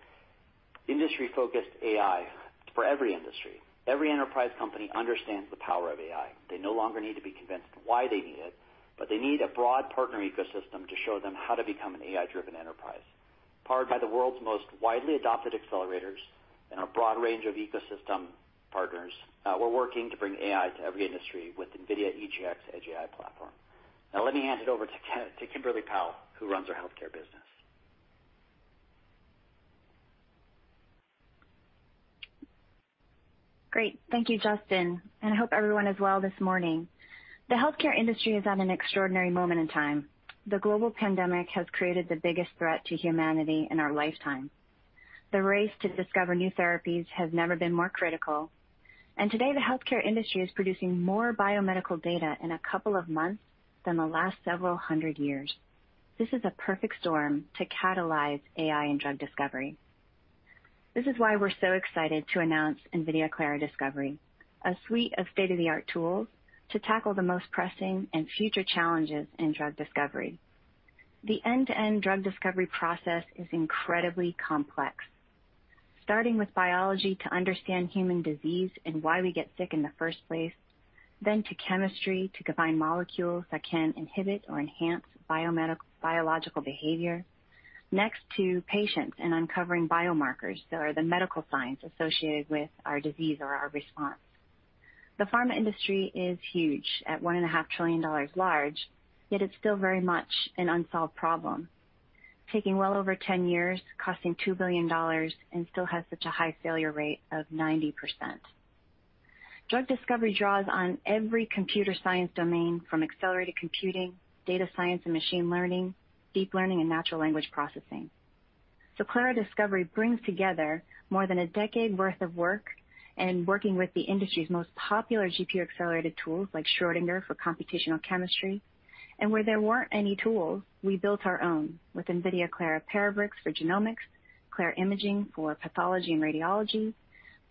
industry-focused AI for every industry. Every enterprise company understands the power of AI. They no longer need to be convinced why they need it, but they need a broad partner ecosystem to show them how to become an AI-driven enterprise. Powered by the world's most widely adopted accelerators and our broad range of ecosystem partners, we're working to bring AI to every industry with NVIDIA EGX Edge AI platform. Let me hand it over to Kimberly Powell, who runs our healthcare business. Great. Thank you, Justin. I hope everyone is well this morning. The healthcare industry is at an extraordinary moment in time. The global pandemic has created the biggest threat to humanity in our lifetime. The race to discover new therapies has never been more critical. Today, the healthcare industry is producing more biomedical data in a couple of months than the last several hundred years. This is a perfect storm to catalyze AI in drug discovery. This is why we're so excited to announce NVIDIA Clara Discovery, a suite of state-of-the-art tools to tackle the most pressing and future challenges in drug discovery. The end-to-end drug discovery process is incredibly complex, starting with biology to understand human disease and why we get sick in the first place, to chemistry to combine molecules that can inhibit or enhance biological behavior, next to patients and uncovering biomarkers that are the medical signs associated with our disease or our response. The pharma industry is huge, at $1.5 trillion large, it's still very much an unsolved problem, taking well over 10 years, costing $2 billion, still has such a high failure rate of 90%. Drug discovery draws on every computer science domain from accelerated computing, data science and machine learning, deep learning, and natural language processing. Clara Discovery brings together more than a decade worth of work and working with the industry's most popular GPU-accelerated tools like Schrödinger for computational chemistry. Where there weren't any tools, we built our own with NVIDIA Clara Parabricks for genomics, Clara Imaging for pathology and radiology,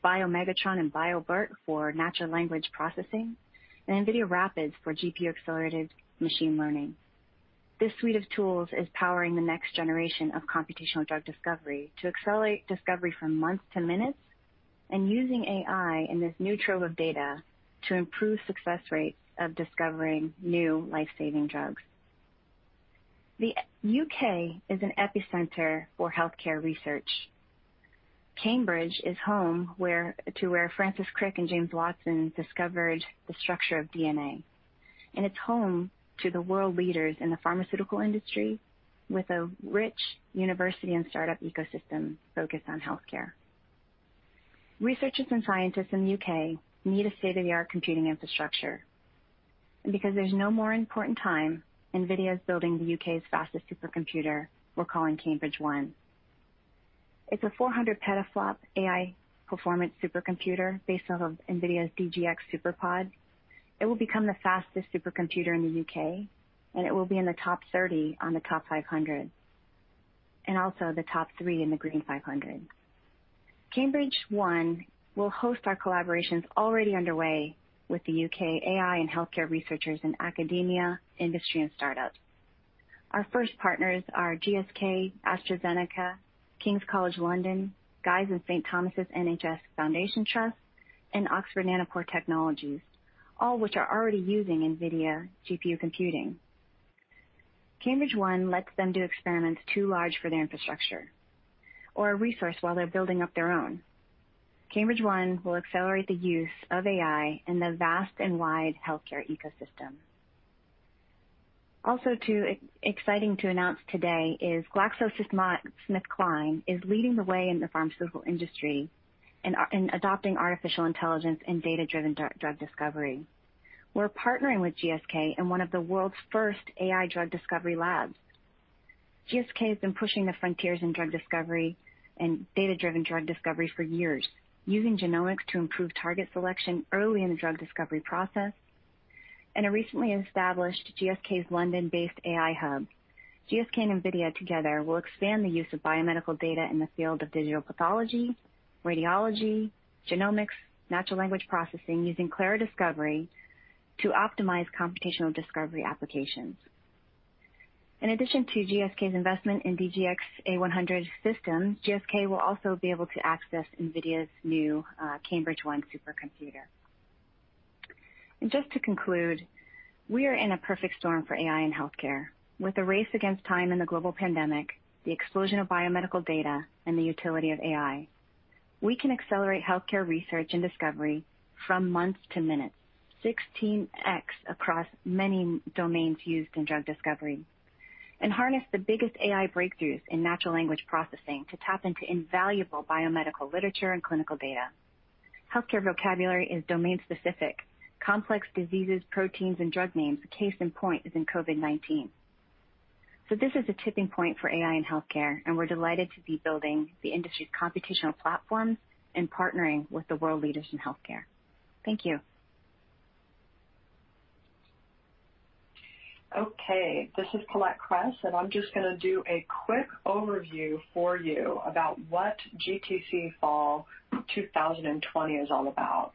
BioMegatron and BioBERT for natural language processing, and NVIDIA RAPIDS for GPU-accelerated machine learning. This suite of tools is powering the next generation of computational drug discovery to accelerate discovery from months to minutes, and using AI in this new trove of data to improve success rates of discovering new life-saving drugs. The U.K. is an epicenter for healthcare research. Cambridge is home to where Francis Crick and James Watson discovered the structure of DNA. It's home to the world leaders in the pharmaceutical industry with a rich university and startup ecosystem focused on healthcare. Researchers and scientists in the U.K. need a state-of-the-art computing infrastructure. Because there's no more important time, NVIDIA is building the U.K.'s fastest supercomputer we're calling Cambridge-1. It's a 400 petaflop AI performance supercomputer based off of NVIDIA's DGX SuperPOD. It will become the fastest supercomputer in the U.K., and it will be in the top 30 on the TOP500, and also the top 3 in the Green500. Cambridge-1 will host our collaborations already underway with the U.K. AI and healthcare researchers in academia, industry, and startup. Our first partners are GSK, AstraZeneca, King's College London, Guy's and St Thomas' NHS Foundation Trust, and Oxford Nanopore Technologies, all which are already using NVIDIA GPU computing. Cambridge-1 lets them do experiments too large for their infrastructure or a resource while they're building up their own. Cambridge-1 will accelerate the use of AI in the vast and wide healthcare ecosystem. Also too exciting to announce today is GlaxoSmithKline is leading the way in the pharmaceutical industry in adopting artificial intelligence and data-driven drug discovery. We're partnering with GSK in one of the world's first AI drug discovery labs. GSK has been pushing the frontiers in drug discovery and data-driven drug discovery for years, using genomics to improve target selection early in the drug discovery process. In a recently established GSK's London-based AI hub, GSK and NVIDIA together will expand the use of biomedical data in the field of digital pathology, radiology, genomics, natural language processing using Clara Discovery to optimize computational discovery applications. In addition to GSK's investment in DGX A100 systems, GSK will also be able to access NVIDIA's new Cambridge-1 supercomputer. Just to conclude, we are in a perfect storm for AI in healthcare. With the race against time in the global pandemic, the explosion of biomedical data, and the utility of AI, we can accelerate healthcare research and discovery from months to minutes, 16x across many domains used in drug discovery, and harness the biggest AI breakthroughs in natural language processing to tap into invaluable biomedical literature and clinical data. Healthcare vocabulary is domain specific. Complex diseases, proteins, and drug names. A case in point is in COVID-19. This is a tipping point for AI in healthcare, and we're delighted to be building the industry's computational platform and partnering with the world leaders in healthcare. Thank you. Okay, this is Colette Kress. I'm just gonna do a quick overview for you about what GTC Fall 2020 is all about.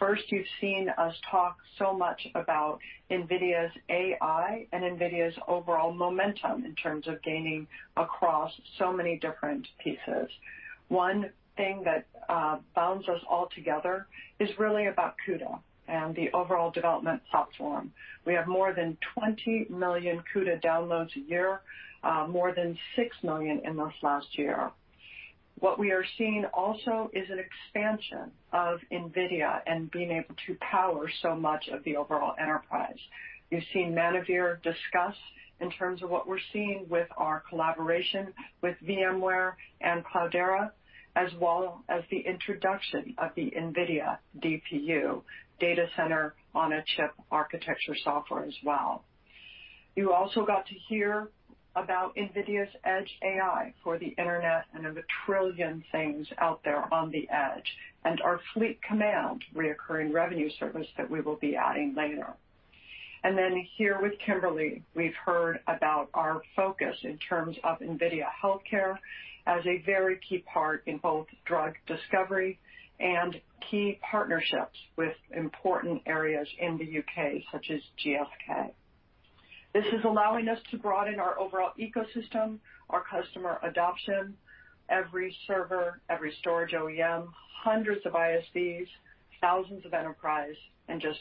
First, you've seen us talk so much about NVIDIA AI and NVIDIA's overall momentum in terms of gaining across so many different pieces. One thing that bounds us all together is really about CUDA and the overall development platform. We have more than 20 million CUDA downloads a year, more than 6 million in this last year. What we are seeing also is an expansion of NVIDIA and being able to power so much of the overall enterprise. You've seen Manuvir discuss in terms of what we're seeing with our collaboration with VMware and Cloudera, as well as the introduction of the NVIDIA DPU data center on-a-chip architecture software as well. You also got to hear about NVIDIA Edge AI for the Internet of Things out there on the edge, and our Fleet Command recurring revenue service that we will be adding later. Here with Kimberly, we've heard about our focus in terms of NVIDIA Healthcare as a very key part in both drug discovery and key partnerships with important areas in the U.K., such as GSK. This is allowing us to broaden our overall ecosystem, our customer adoption, every server, every storage OEM, hundreds of ISVs, thousands of enterprise. Just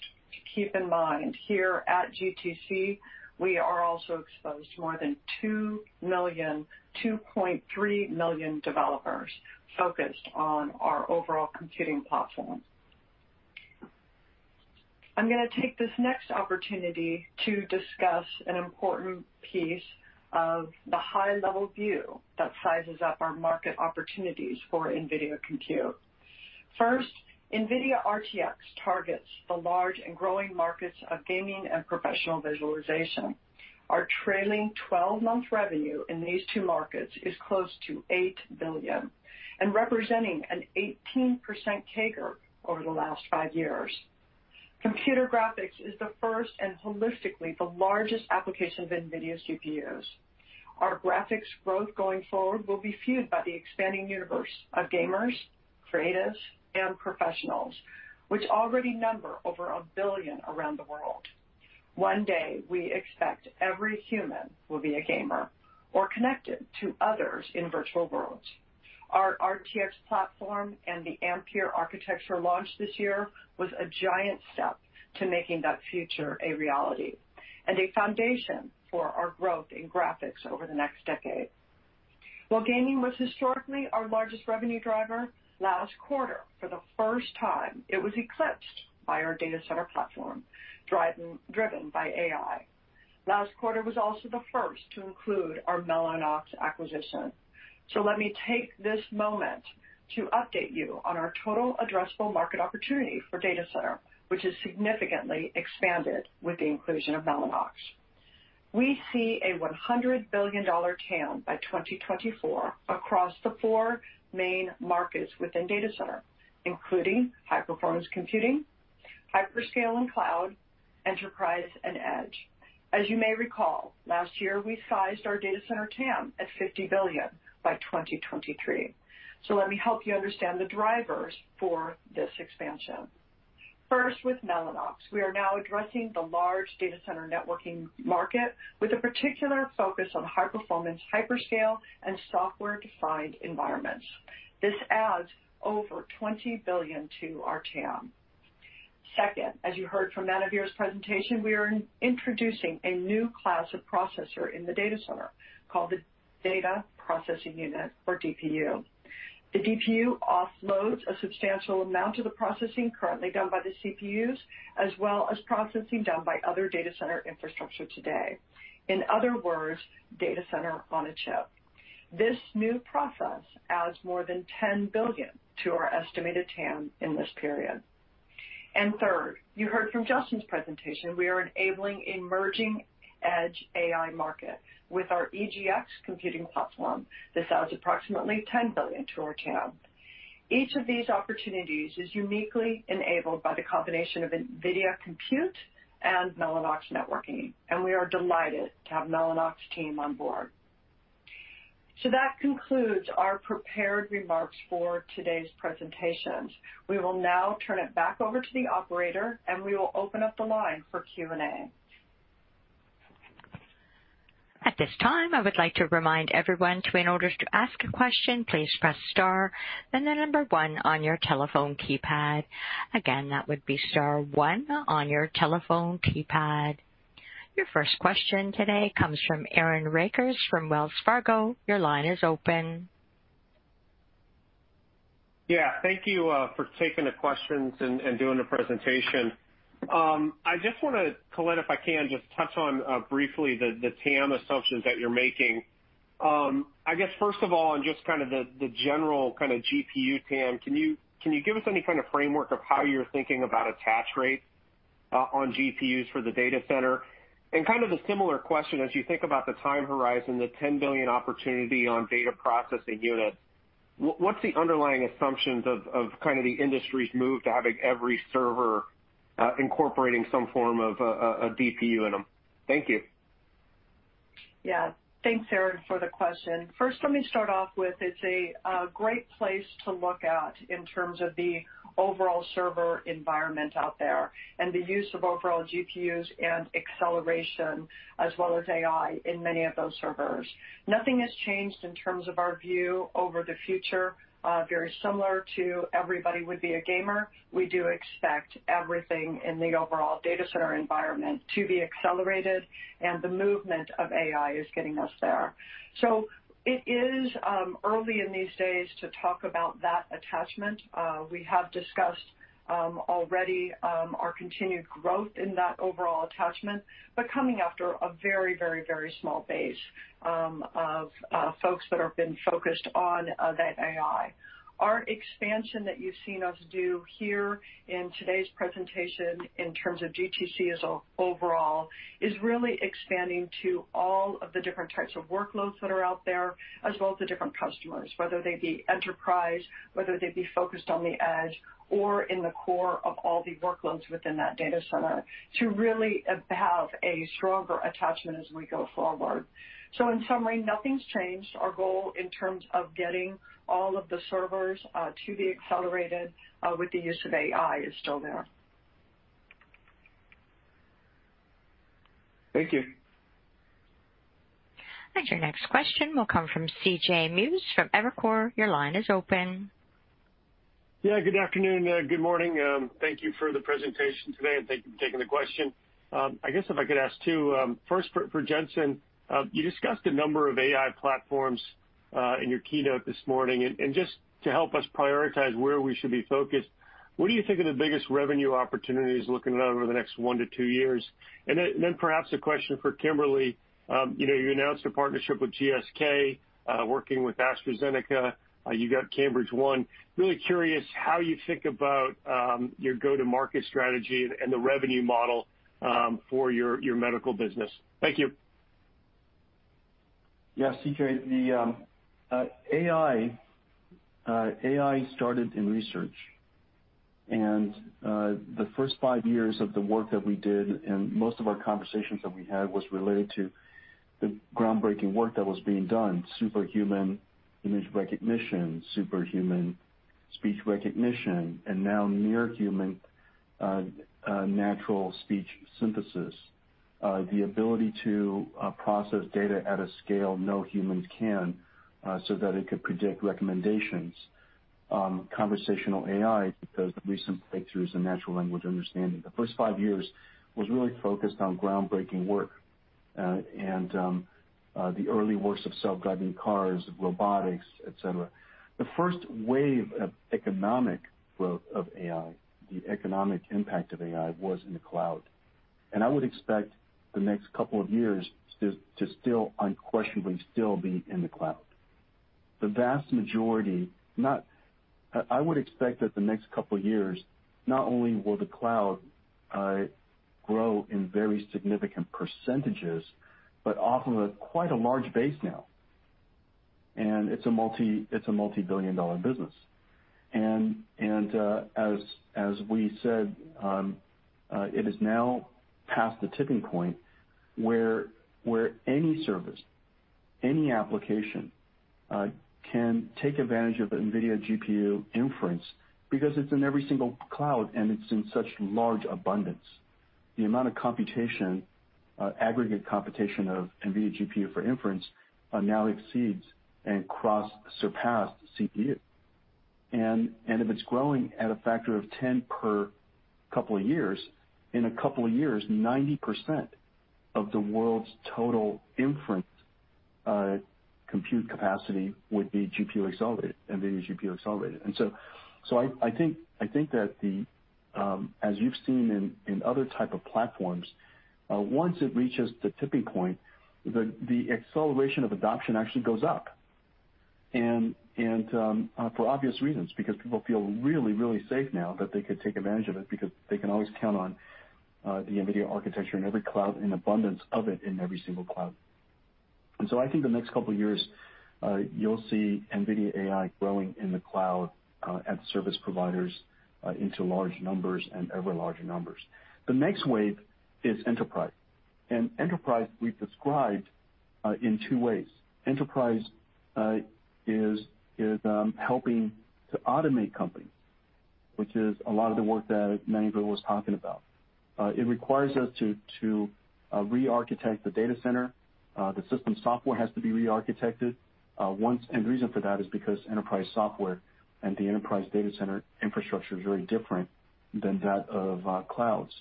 keep in mind, here at GTC, we are also exposed to more than 2 million, 2.3 million developers focused on our overall computing platform. I'm gonna take this next opportunity to discuss an important piece of the high-level view that sizes up our market opportunities for NVIDIA Compute. First, NVIDIA RTX targets the large and growing markets of gaming and professional visualization. Our trailing 12-month revenue in these two markets is close to $8 billion and representing an 18% CAGR over the last five years. Computer graphics is the first and holistically the largest application of NVIDIA GPUs. Our graphics growth going forward will be fueled by the expanding universe of gamers, creatives, and professionals, which already number over 1 billion around the world. One day, we expect every human will be a gamer or connected to others in virtual worlds. Our RTX platform and the Ampere architecture launch this year was a giant step to making that future a reality and a foundation for our growth in graphics over the next decade. While gaming was historically our largest revenue driver, last quarter, for the first time, it was eclipsed by our data center platform, driven by AI. Last quarter was also the first to include our Mellanox acquisition. Let me take this moment to update you on our total addressable market opportunity for data center, which has significantly expanded with the inclusion of Mellanox. We see a $100 billion TAM by 2024 across the four main markets within data center, including high-performance computing, hyperscale and cloud, enterprise, and edge. As you may recall, last year, we sized our data center TAM at $50 billion by 2023. Let me help you understand the drivers for this expansion. First, with Mellanox, we are now addressing the large data center networking market with a particular focus on high-performance hyperscale and software-defined environments. This adds over $20 billion to our TAM. Second, as you heard from Manuvir's presentation, we are introducing a new class of processor in the data center called the Data Processing Unit or DPU. The DPU offloads a substantial amount of the processing currently done by the CPUs, as well as processing done by other data center infrastructure today. In other words, data center on a chip. This new process adds more than $10 billion to our estimated TAM in this period. Third, you heard from Justin's presentation, we are enabling emerging Edge AI market with our EGX computing platform. This adds approximately $10 billion to our TAM. Each of these opportunities is uniquely enabled by the combination of NVIDIA Compute and Mellanox networking, and we are delighted to have Mellanox team on board. That concludes our prepared remarks for today's presentations. We will now turn it back over to the operator. We will open up the line for Q&A. At this time I would like to remind everyone to, inorder to ask a question please press star then the number one on your telephone keypad. Again, that would be star one on your telephone keypad. Your first question today comes from Aaron Rakers from Wells Fargo. Your line is open. Thank you for taking the questions and doing the presentation. I just wanna, Colette, if I can just touch on briefly the TAM assumptions that you're making. I guess first of all, on just kind of the general kinda GPU TAM, can you give us any kind of framework of how you're thinking about attach rate on GPUs for the data center? kind of a similar question, as you think about the time horizon, the $10 billion opportunity on Data Processing Units, what's the underlying assumptions of kinda the industry's move to having every server incorporating some form of a DPU in them? Thank you. Yeah. Thanks, Aaron, for the question. First, let me start off with it's a great place to look at in terms of the overall server environment out there and the use of overall GPUs and acceleration as well as AI in many of those servers. Nothing has changed in terms of our view over the future. Very similar to everybody would be a gamer. We do expect everything in the overall data center environment to be accelerated, and the movement of AI is getting us there. It is early in these days to talk about that attachment. We have discussed already our continued growth in that overall attachment, but coming after a very small base of folks that have been focused on that AI. Our expansion that you've seen us do here in today's presentation in terms of GTC as a overall is really expanding to all of the different types of workloads that are out there, as well as the different customers, whether they be enterprise, whether they be focused on the edge or in the core of all the workloads within that data center, to really have a stronger attachment as we go forward. In summary, nothing's changed. Our goal in terms of getting all of the servers to be accelerated with the use of AI is still there. Thank you. Your next question will come from C.J. Muse from Evercore. Your line is open. Good afternoon. Good morning. Thank you for the presentation today, and thank you for taking the question. I guess if I could ask two. First for Jensen, you discussed a number of AI platforms in your keynote this morning. Just to help us prioritize where we should be focused, what do you think are the biggest revenue opportunities looking out over the next 1 to 2 years? Then perhaps a question for Kimberly. You know, you announced a partnership with GSK, working with AstraZeneca. You got Cambridge-1. Really curious how you think about your go-to-market strategy and the revenue model for your medical business. Thank you. Yeah, C.J. The AI started in research, and the first five years of the work that we did and most of our conversations that we had was related to the groundbreaking work that was being done, superhuman image recognition, superhuman speech recognition, and now near human natural speech synthesis. The ability to process data at a scale no humans can so that it could predict recommendations. Conversational AI because of recent breakthroughs in natural language understanding. The first five years was really focused on groundbreaking work, and the early works of self-driving cars, of robotics, et cetera. The first wave of economic growth of AI, the economic impact of AI was in the cloud, and I would expect the next couple of years to still unquestionably still be in the cloud. The vast majority not. I would expect that the next couple years, not only will the cloud grow in very significant percentages, but off of a quite a large base now. It's a multi-billion dollar business. As we said, it is now past the tipping point where any service, any application can take advantage of NVIDIA GPU inference because it's in every single cloud and it's in such large abundance. The amount of computation, aggregate computation of NVIDIA GPU for inference, now exceeds and surpassed CPU. If it's growing at a factor of 10 per couple of years, in a couple of years, 90% of the world's total inference compute capacity would be GPU accelerated, NVIDIA GPU accelerated. I think that the as you've seen in other type of platforms, once it reaches the tipping point, the acceleration of adoption actually goes up. For obvious reasons, because people feel really, really safe now that they could take advantage of it because they can always count on the NVIDIA architecture in every cloud, in abundance of it in every single cloud. I think the next couple of years, you'll see NVIDIA AI growing in the cloud, at service providers, into large numbers and ever larger numbers. The next wave is enterprise. Enterprise we've described in two ways. Enterprise is helping to automate companies. Which is a lot of the work that Manuvir was talking about. It requires us to re-architect the data center. The system software has to be re-architected once. The reason for that is because enterprise software and the enterprise data center infrastructure is very different than that of clouds.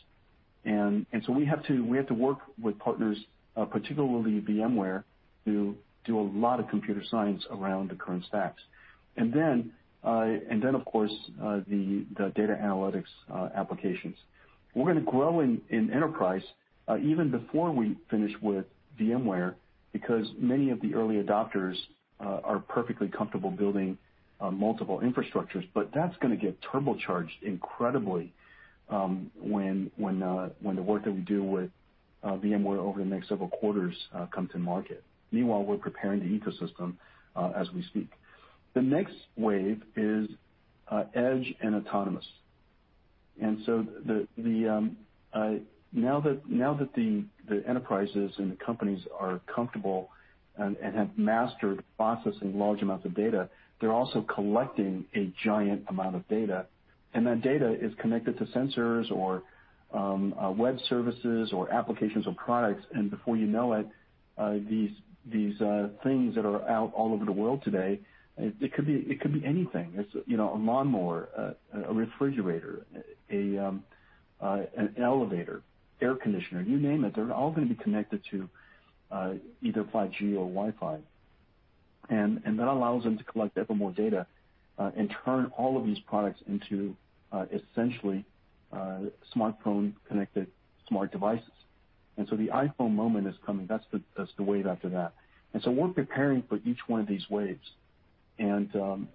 We have to work with partners, particularly VMware, to do a lot of computer science around the current stacks. Then of course, the data analytics applications. We're gonna grow in enterprise, even before we finish with VMware, because many of the early adopters are perfectly comfortable building multiple infrastructures. That's gonna get turbocharged incredibly when the work that we do with VMware over the next several quarters come to market. Meanwhile, we're preparing the ecosystem as we speak. The next wave is edge and autonomous. The enterprises and the companies are comfortable and have mastered processing large amounts of data, they're also collecting a giant amount of data, and that data is connected to sensors or web services or applications or products. Before you know it, these things that are out all over the world today, it could be anything. It's, you know, a lawnmower, a refrigerator, an elevator, air conditioner, you name it. They're all gonna be connected to either 5G or Wi-Fi. That allows them to collect ever more data and turn all of these products into essentially smartphone-connected smart devices. The iPhone moment is coming. That's the wave after that. We're preparing for each one of these waves. They'll,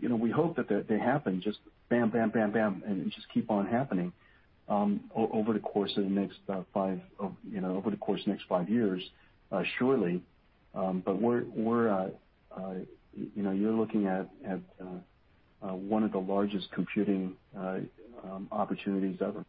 you know, we hope that they happen just bam, bam, and just keep on happening over the course of the next five years, surely. We're, you know, you're looking at one of the largest computing opportunities ever.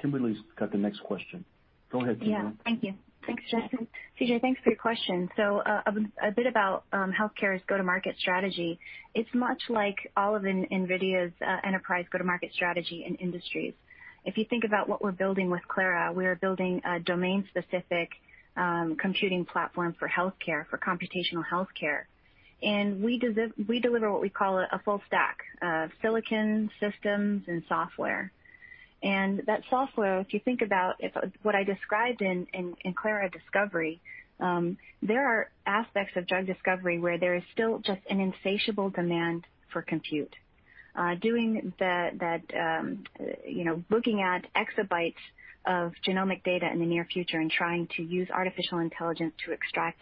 Kimberly's got the next question. Go ahead, Kim. Thank you. Thanks, Jensen. C.J., thanks for your question. A bit about healthcare's go-to-market strategy. It's much like all of NVIDIA's enterprise go-to-market strategy in industries. If you think about what we're building with Clara, we are building a domain-specific computing platform for healthcare, for computational healthcare. We deliver what we call a full stack of silicon systems and software. That software, if you think about what I described in Clara Discovery, there are aspects of drug discovery where there is still just an insatiable demand for compute. Doing the, that, you know, looking at exabytes of genomic data in the near future and trying to use artificial intelligence to extract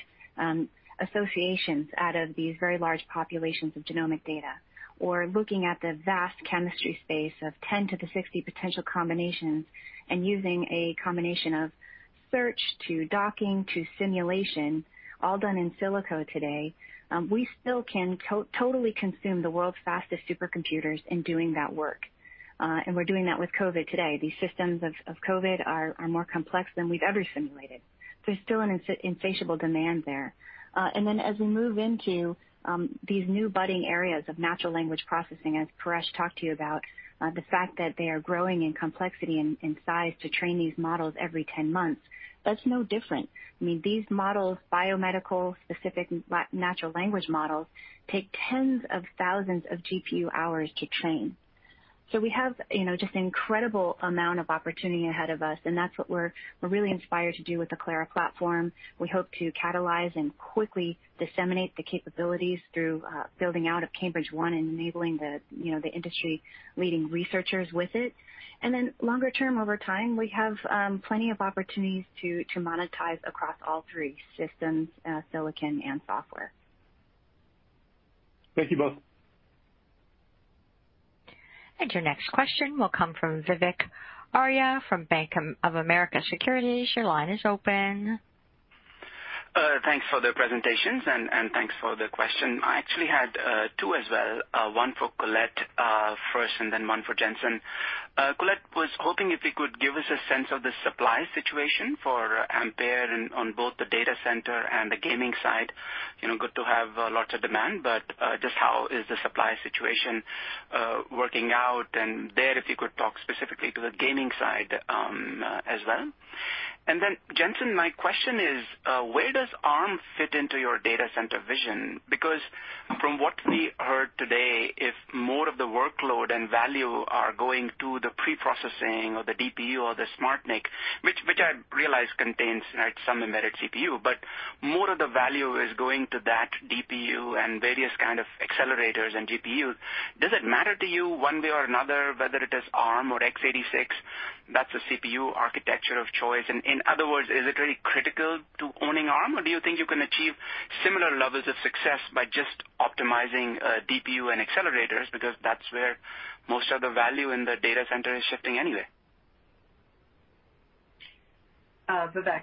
associations out of these very large populations of genomic data, or looking at the vast chemistry space of 10 to the 60 potential combinations and using a combination of search to docking to simulation, all done in silico today, we still can totally consume the world's fastest supercomputers in doing that work. We're doing that with COVID today. These systems of COVID are more complex than we've ever simulated. There's still an insatiable demand there. Then as we move into these new budding areas of natural language processing, as Paresh talked to you about, the fact that they are growing in complexity and size to train these models every 10 months, that's no different. I mean, these models, biomedical specific natural language models, take tens of thousands of GPU hours to train. We have, you know, just incredible amount of opportunity ahead of us, and that's what we're really inspired to do with the Clara platform. We hope to catalyze and quickly disseminate the capabilities through building out of Cambridge-1 and enabling the, you know, the industry-leading researchers with it. Longer term, over time, we have plenty of opportunities to monetize across all three systems, silicon and software. Thank you both. Your next question will come from Vivek Arya from Bank of America Securities. Your line is open. Thanks for the presentations and thanks for the question. I actually had two as well, one for Colette first and then one for Jensen. Colette, was hoping if you could give us a sense of the supply situation for Ampere and on both the data center and the gaming side. You know, good to have lots of demand, but just how is the supply situation working out? There, if you could talk specifically to the gaming side as well. Jensen, my question is, where does ARM fit into your data center vision? From what we heard today, if more of the workload and value are going to the preprocessing or the DPU or the SmartNIC, which I realize contains, right, some embedded CPU, but more of the value is going to that DPU and various kind of accelerators and GPU. Does it matter to you one way or another whether it is ARM or x86 that's the CPU architecture of choice? In other words, is it really critical to owning ARM, or do you think you can achieve similar levels of success by just optimizing DPU and accelerators? That's where most of the value in the data center is shifting anyway. Vivek,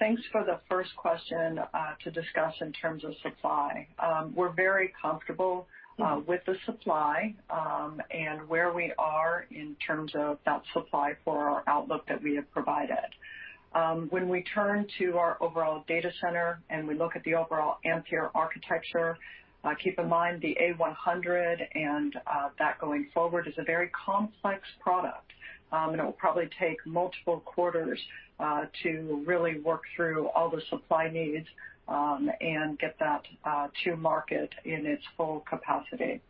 thanks for the first question to discuss in terms of supply. We're very comfortable with the supply and where we are in terms of that supply for our outlook that we have provided. When we turn to our overall data center and we look at the overall Ampere architecture, keep in mind the A100 and that going forward is a very complex product. It will probably take multiple quarters to really work through all the supply needs and get that to market in its full capacity.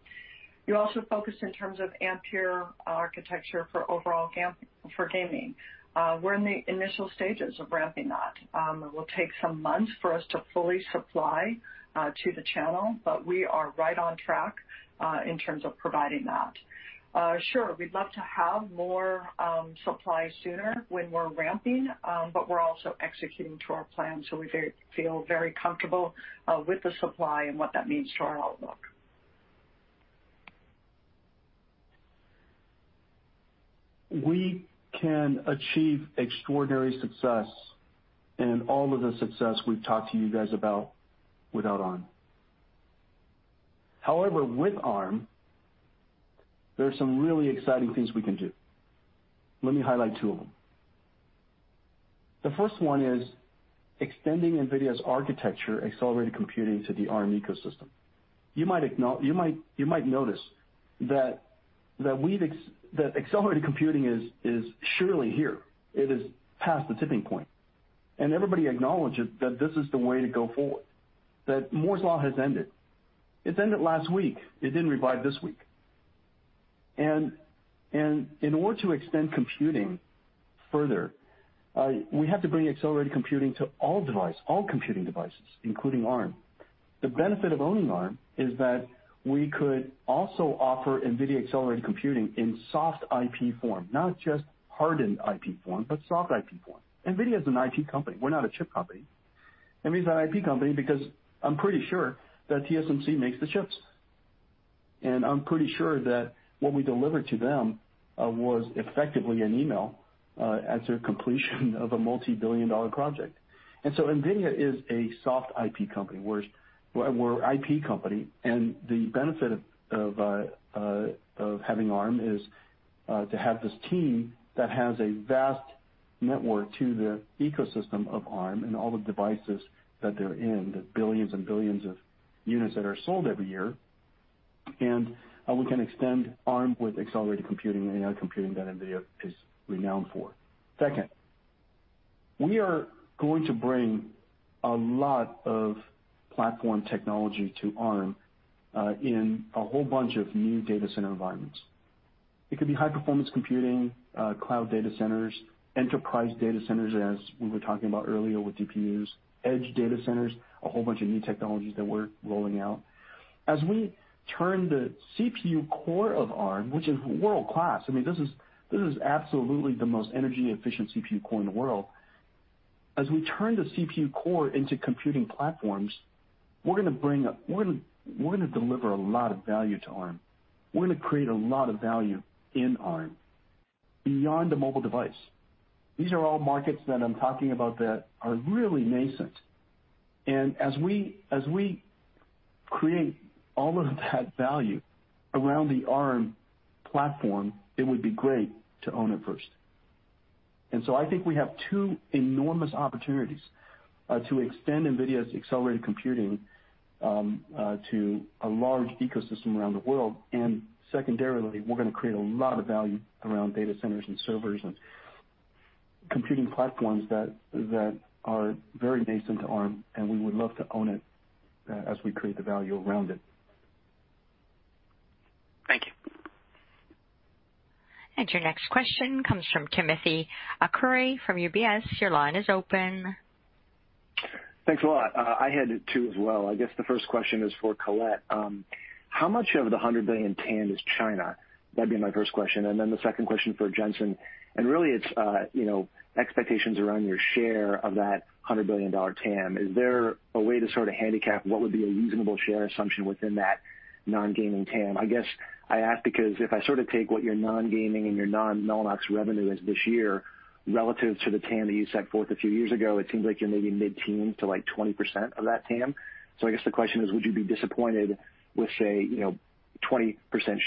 You also focus in terms of Ampere architecture for overall gaming. We're in the initial stages of ramping that. It will take some months for us to fully supply to the channel, but we are right on track in terms of providing that. Sure, we'd love to have more supply sooner when we're ramping, but we're also executing to our plan, so we feel very comfortable with the supply and what that means to our outlook. We can achieve extraordinary success and all of the success we've talked to you guys about without ARM. With ARM, there are some really exciting things we can do. Let me highlight two of them. The first one is extending NVIDIA's architecture accelerated computing to the ARM ecosystem. You might notice that accelerated computing is surely here. It is past the tipping point. Everybody acknowledges that this is the way to go forward, that Moore's Law has ended. It ended last week. It didn't revive this week. In order to extend computing further, we have to bring accelerated computing to all computing devices, including ARM. The benefit of owning ARM is that we could also offer NVIDIA accelerated computing in soft IP form, not just hardened IP form, but soft IP form. NVIDIA is an IP company. We're not a chip company. NVIDIA's an IP company because I'm pretty sure that TSMC makes the chips. I'm pretty sure that what we delivered to them was effectively an email as their completion of a $multi-billion project. NVIDIA is a soft IP company. We're IP company, and the benefit of having ARM is to have this team that has a vast network to the ecosystem of ARM and all the devices that they're in, the billions and billions of units that are sold every year. We can extend ARM with accelerated computing and AI computing that NVIDIA is renowned for. Second, we are going to bring a lot of platform technology to ARM in a whole bunch of new data center environments. It could be high performance computing, cloud data centers, enterprise data centers, as we were talking about earlier with DPUs, edge data centers, a whole bunch of new technologies that we're rolling out. As we turn the CPU core of ARM, which is world-class, I mean, this is absolutely the most energy efficient CPU core in the world. As we turn the CPU core into computing platforms, we're gonna deliver a lot of value to ARM. We're gonna create a lot of value in ARM beyond the mobile device. These are all markets that I'm talking about that are really nascent. As we, as we create all of that value around the ARM platform, it would be great to own it first. I think we have two enormous opportunities to extend NVIDIA's accelerated computing to a large ecosystem around the world. Secondarily, we're gonna create a lot of value around data centers and servers and computing platforms that are very nascent to ARM, and we would love to own it as we create the value around it. Thank you. Your next question comes from Timothy Arcuri from UBS. Your line is open. Thanks a lot. I had two as well. I guess the first question is for Colette. How much of the $100 billion TAM is China? That'd be my first question. Then the second question for Jensen, and really it's, you know, expectations around your share of that $100 billion TAM. Is there a way to sort of handicap what would be a reasonable share assumption within that non-gaming TAM? I guess I ask because if I sort of take what your non-gaming and your non-Mellanox revenue is this year relative to the TAM that you set forth a few years ago, it seems like you're maybe mid-teen to like 20% of that TAM. I guess the question is, would you be disappointed with, say, you know, 20%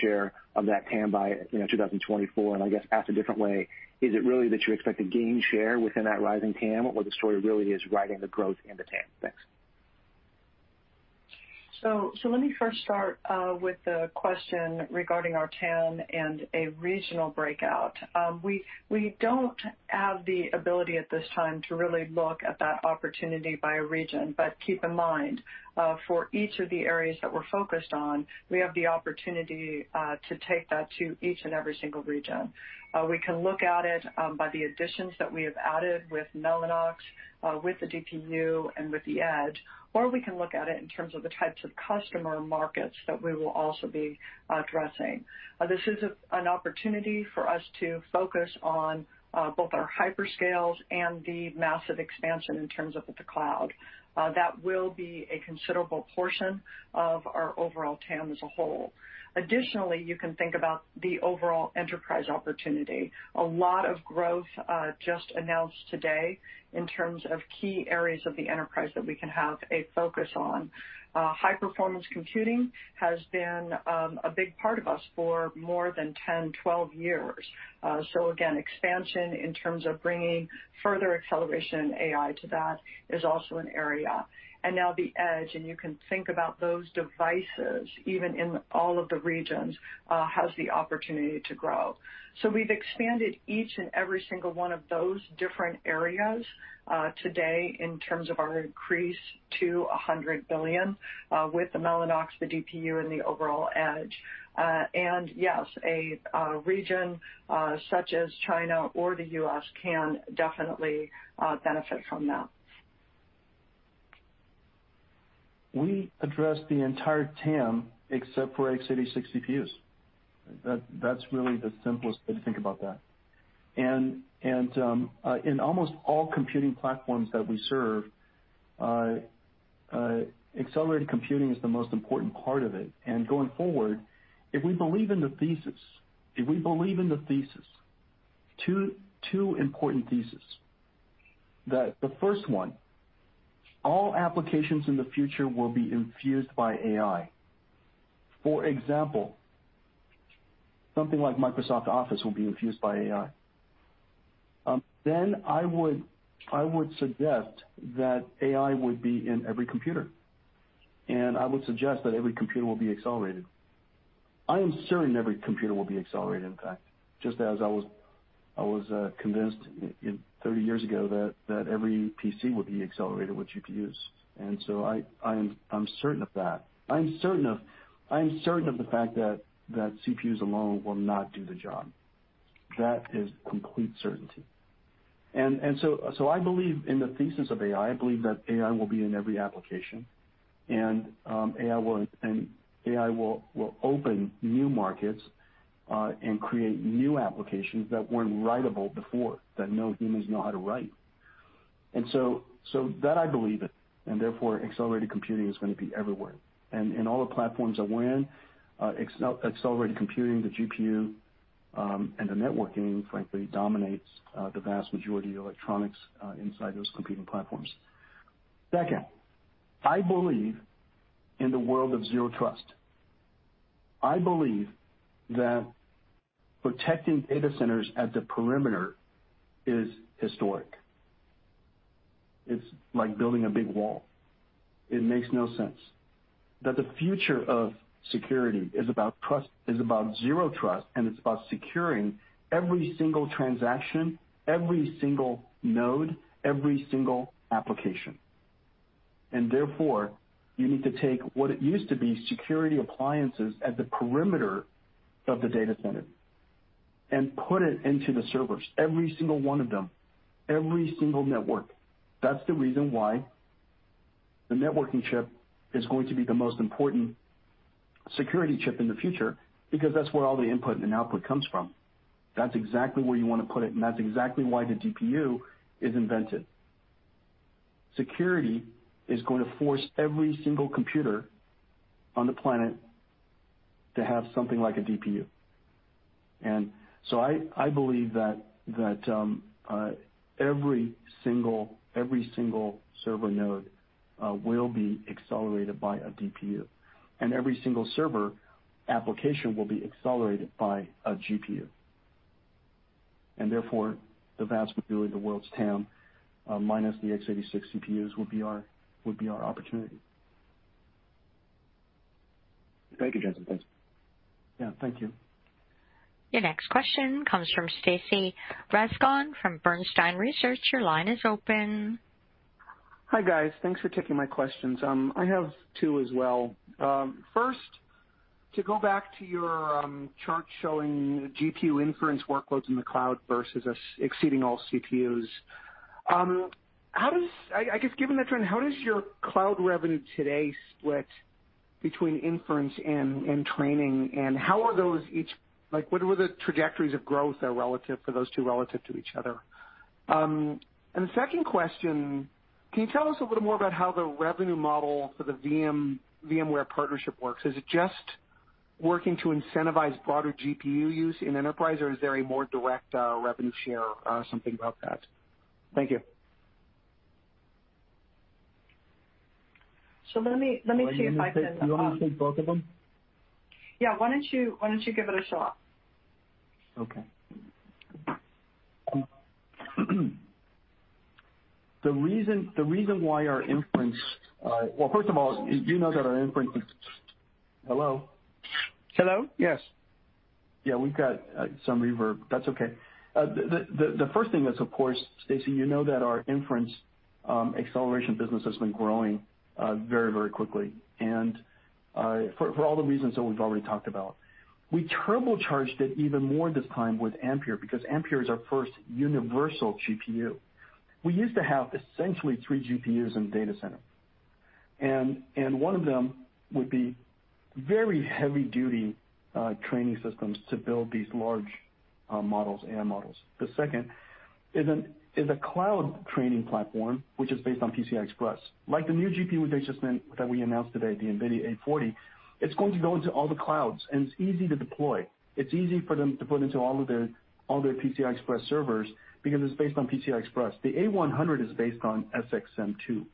share of that TAM by, you know, 2024? I guess asked a different way, is it really that you expect to gain share within that rising TAM, or the story really is riding the growth in the TAM? Thanks. Let me first start with the question regarding our TAM and a regional breakout. We don't have the ability at this time to really look at that opportunity by region. Keep in mind, for each of the areas that we're focused on, we have the opportunity to take that to each and every single region. We can look at it by the additions that we have added with Mellanox, with the DPU and with the edge, or we can look at it in terms of the types of customer markets that we will also be addressing. This is an opportunity for us to focus on both our hyperscales and the massive expansion in terms of the cloud. That will be a considerable portion of our overall TAM as a whole. Additionally, you can think about the overall enterprise opportunity. A lot of growth, just announced today in terms of key areas of the enterprise that we can have a focus on. High-performance computing has been a big part of us for more than 10, 12 years. Again, expansion in terms of bringing further acceleration and AI to that is also an area. Now the edge, and you can think about those devices, even in all of the regions, has the opportunity to grow. We've expanded each and every single one of those different areas today in terms of our increase to $100 billion with the Mellanox, the DPU, and the overall edge. Yes, a region such as China or the U.S. can definitely benefit from that. We address the entire TAM except for x86 CPUs. That's really the simplest way to think about that. In almost all computing platforms that we serve, accelerated computing is the most important part of it. Going forward, if we believe in the thesis, two important thesis. The first one, all applications in the future will be infused by AI. For example, something like Microsoft Office will be infused by AI. I would suggest that AI would be in every computer, and I would suggest that every computer will be accelerated. I am certain every computer will be accelerated, in fact, just as I was convinced 30 years ago that every PC would be accelerated with GPUs. I'm certain of that. I am certain of the fact that CPUs alone will not do the job. That is complete certainty. I believe in the thesis of AI, I believe that AI will be in every application. AI will open new markets and create new applications that weren't writable before, that no humans know how to write. That I believe in, and therefore accelerated computing is going to be everywhere. In all the platforms I win, accelerated computing, the GPU, and the networking, frankly, dominates the vast majority of electronics inside those computing platforms. Second, I believe in the world of zero trust. I believe that protecting data centers at the perimeter is historic. It's like building a big wall. It makes no sense. The future of security is about trust, it's about zero trust, it's about securing every single transaction, every single node, every single application. Therefore, you need to take what it used to be security appliances at the perimeter of the data center and put it into the servers, every single one of them, every single network. That's the reason why the networking chip is going to be the most important security chip in the future, because that's where all the input and output comes from. That's exactly where you wanna put it, that's exactly why the DPU is invented. Security is gonna force every single computer on the planet to have something like a DPU. I believe that every single server node will be accelerated by a DPU, and every single server application will be accelerated by a GPU. Therefore, the vast majority of the world's TAM, minus the x86 CPUs, will be our opportunity. Thank you, Jensen. Thanks. Yeah, thank you. Your next question comes from Stacy Rasgon from Bernstein Research. Your line is open. Hi, guys. Thanks for taking my questions. I have two as well. First, to go back to your chart showing GPU inference workloads in the cloud versus exceeding all CPUs. I guess given that trend, how does your cloud revenue today split between inference and training? Like, what are the trajectories of growth are relative for those two relative to each other? The second question, can you tell us a little more about how the revenue model for the VMware partnership works? Is it just working to incentivize broader GPU use in enterprise, or is there a more direct revenue share, something about that? Thank you. Let me see if I can... Do you want me to take both of them? Yeah. Why don't you give it a shot? Okay. The reason why our inference, well, first of all, you know that our inference is. Hello? Hello? Yes. Yeah, we've got some reverb. That's okay. The first thing that's of course, Stacy, you know that our inference acceleration business has been growing very, very quickly, for all the reasons that we've already talked about. We turbocharged it even more this time with Ampere because Ampere is our first universal GPU. We used to have essentially three GPUs in data center. One of them would be very heavy duty training systems to build these large models, AI models. The second is a cloud training platform, which is based on PCI Express. Like the new GPU they just that we announced today, the NVIDIA A40, it's going to go into all the clouds, it's easy to deploy. It's easy for them to put into all their PCI Express servers because it's based on PCI Express. The A100 is based on SXM2,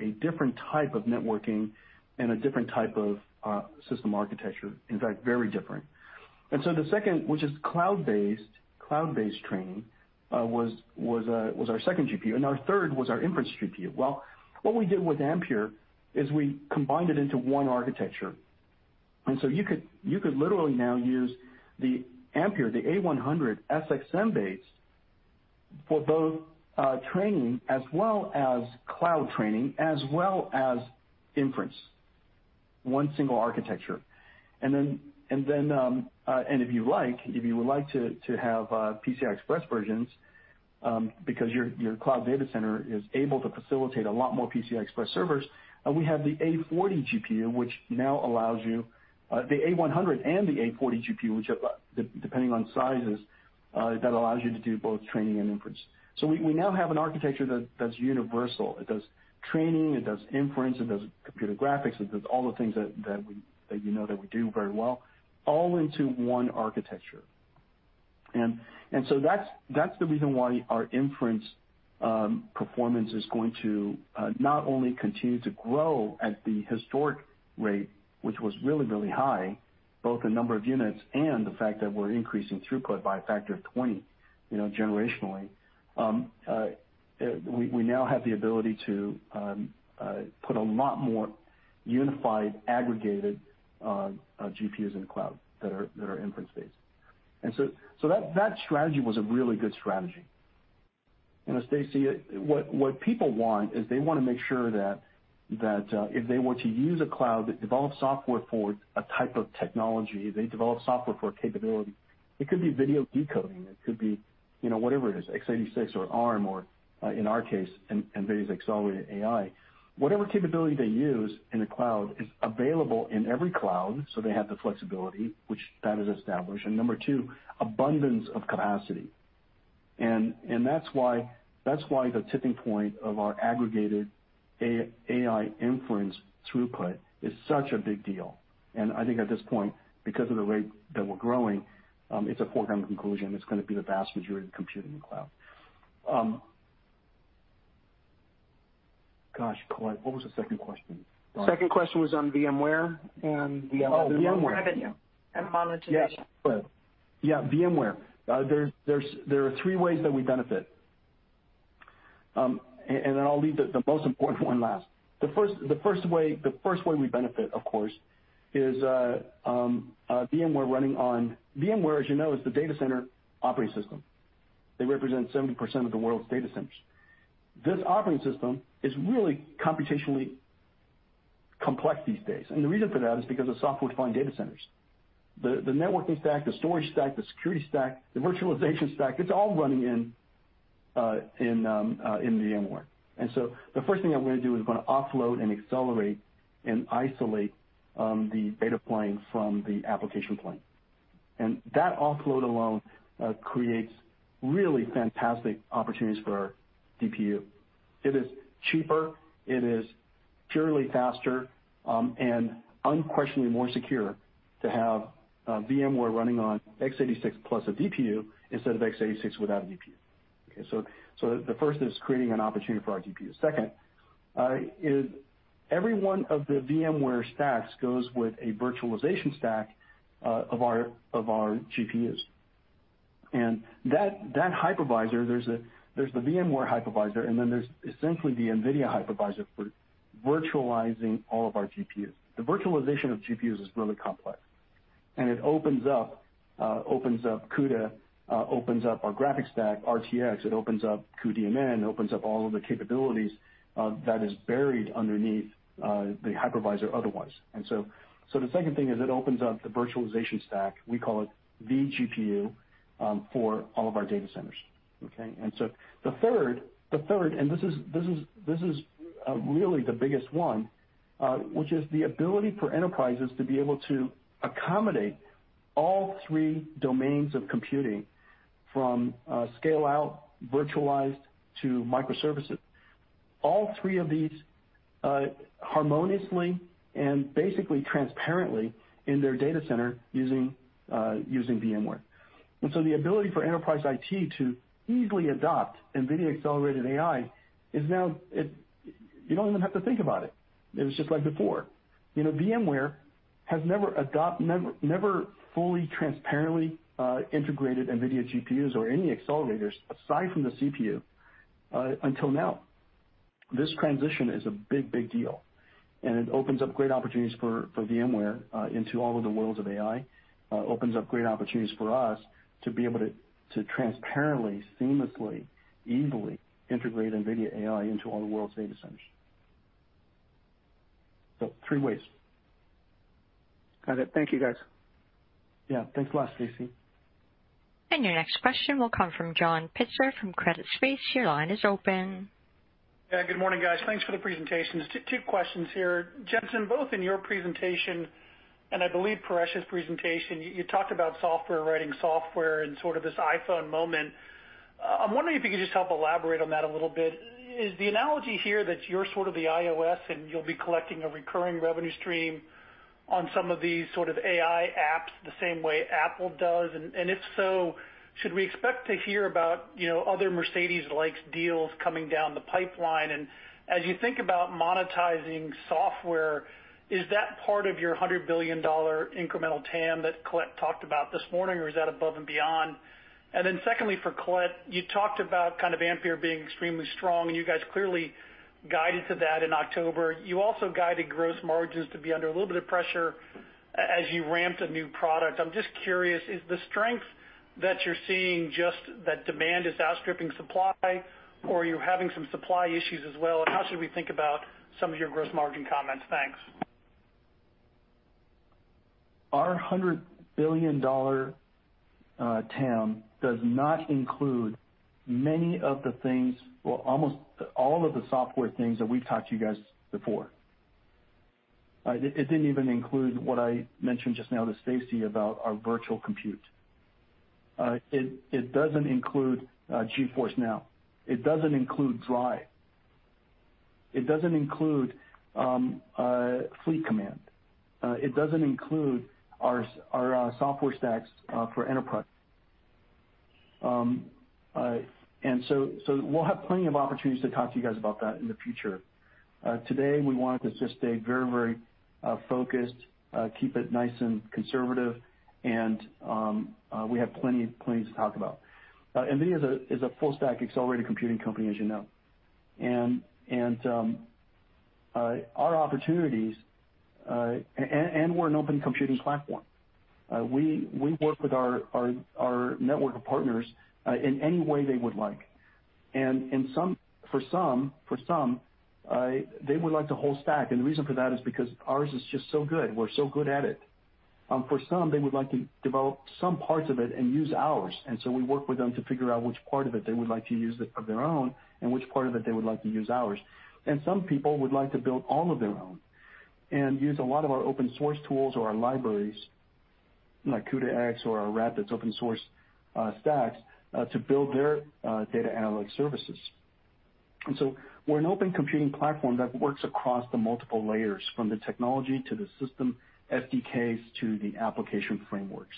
a different type of networking and a different type of system architecture. In fact, very different. The second, which is cloud-based training, was our second GPU. Our third was our inference GPU. Well, what we did with Ampere is we combined it into one architecture. You could literally now use the Ampere, the A100 SXM base for both training as well as cloud training, as well as inference. One single architecture. If you would like to have PCI Express versions, because your cloud data center is able to facilitate a lot more PCI Express servers, we have the A40 GPU, which now allows you the A100 and the A40 GPU, which are, depending on sizes, that allows you to do both training and inference. We now have an architecture that's universal. It does training, it does inference, it does computer graphics, it does all the things that we, you know, that we do very well, all into one architecture. That's the reason why our inference performance is going to not only continue to grow at the historic rate, which was really, really high, both the number of units and the fact that we're increasing throughput by a factor of 20, you know, generationally. We now have the ability to put a lot more unified, aggregated GPUs in the cloud that are inference-based. That strategy was a really good strategy. You know, Stacy, what people want is they wanna make sure that if they were to use a cloud that develops software for a type of technology, they develop software for a capability. It could be video decoding, it could be, you know, whatever it is, x86 or ARM or in our case, NVIDIA's accelerated AI. Whatever capability they use in a cloud is available in every cloud, so they have the flexibility, which that is established. Number two, abundance of capacity. That's why the tipping point of our aggregated AI inference throughput is such a big deal. I think at this point, because of the rate that we're growing, it's a foregone conclusion it's gonna be the vast majority of compute in the cloud. Gosh, Colette, what was the second question? The second question was on VMware. Oh, VMware. Revenue and monetization. Yeah. Go ahead. Yeah, VMware. There are three ways that we benefit. I'll leave the most important one last. The first way we benefit, of course, is VMware running on VMware, as you know, is the data center operating system. They represent 70% of the world's data centers. This operating system is really computationally complex these days. The reason for that is because of software-defined data centers. The networking stack, the storage stack, the security stack, the virtualization stack, it's all running in VMware. The first thing I'm gonna do is I'm gonna offload and accelerate and isolate the data plane from the application plane. That offload alone creates really fantastic opportunities for our DPU. It is cheaper, it is purely faster, and unquestionably more secure to have VMware running on x86 plus a DPU instead of x86 without a DPU. Okay. The first is creating an opportunity for our DPU. Second is every one of the VMware stacks goes with a virtualization stack of our GPUs. That hypervisor, there's the VMware hypervisor, and then there's essentially the NVIDIA hypervisor for virtualizing all of our GPUs. The virtualization of GPUs is really complex, and it opens up CUDA, opens up our graphics stack, RTX, it opens up cuDNN, opens up all of the capabilities that is buried underneath the hypervisor otherwise. The second thing is it opens up the virtualization stack, we call it vGPU, for all of our data centers. Okay? The third, and this is really the biggest one, which is the ability for enterprises to be able to accommodate all three domains of computing, from scale-out, virtualized to microservices. All three of these harmoniously and basically transparently in their data center using VMware. The ability for enterprise IT to easily adopt NVIDIA-accelerated AI is now you don't even have to think about it. It was just like before. You know, VMware has never fully, transparently, integrated NVIDIA GPUs or any accelerators aside from the CPU until now. This transition is a big deal, and it opens up great opportunities for VMware into all of the worlds of AI. It opens up great opportunities for us to be able to transparently, seamlessly, easily integrate NVIDIA AI into all the world's data centers. Three ways. Got it. Thank you, guys. Yeah. Thanks a lot, Stacy. Your next question will come from John Pitzer from Credit Suisse. Your line is open. Yeah, good morning, guys. Thanks for the presentations. Two questions here. Jensen, both in your presentation and I believe Paresh's presentation, you talked about software writing software and sort of this iPhone moment. I'm wondering if you could just help elaborate on that a little bit. Is the analogy here that you're sort of the iOS and you'll be collecting a recurring revenue stream on some of these sort of AI apps the same way Apple does? If so, should we expect to hear about, you know, other Mercedes-likes deals coming down the pipeline? As you think about monetizing software, is that part of your $100 billion incremental TAM that Colette talked about this morning, or is that above and beyond? Secondly, for Colette, you talked about kind of Ampere being extremely strong, and you guys clearly guided to that in October. You also guided gross margins to be under a little bit of pressure as you ramped a new product. I'm just curious, is the strength that you're seeing just that demand is outstripping supply or you're having some supply issues as well? How should we think about some of your gross margin comments? Thanks. Our $100 billion TAM does not include many of the things, almost all of the software things that we've talked to you guys before. It didn't even include what I mentioned just now to Stacy about our virtual compute. It doesn't include GeForce NOW. It doesn't include Drive. It doesn't include Fleet Command. It doesn't include our software stacks for enterprise. We'll have plenty of opportunities to talk to you guys about that in the future. Today, we wanted to just stay very focused, keep it nice and conservative, and we have plenty to talk about. NVIDIA is a full stack accelerated computing company, as you know. Our opportunities, and we're an open computing platform. We work with our network of partners in any way they would like. For some, they would like the whole stack, and the reason for that is because ours is just so good. We're so good at it. For some, they would like to develop some parts of it and use ours. We work with them to figure out which part of it they would like to use of their own and which part of it they would like to use ours. Some people would like to build all of their own and use a lot of our open source tools or our libraries, like CUDA-X or our RAPIDS open source stacks to build their data analytics services. We're an open computing platform that works across the multiple layers, from the technology to the system, SDKs to the application frameworks.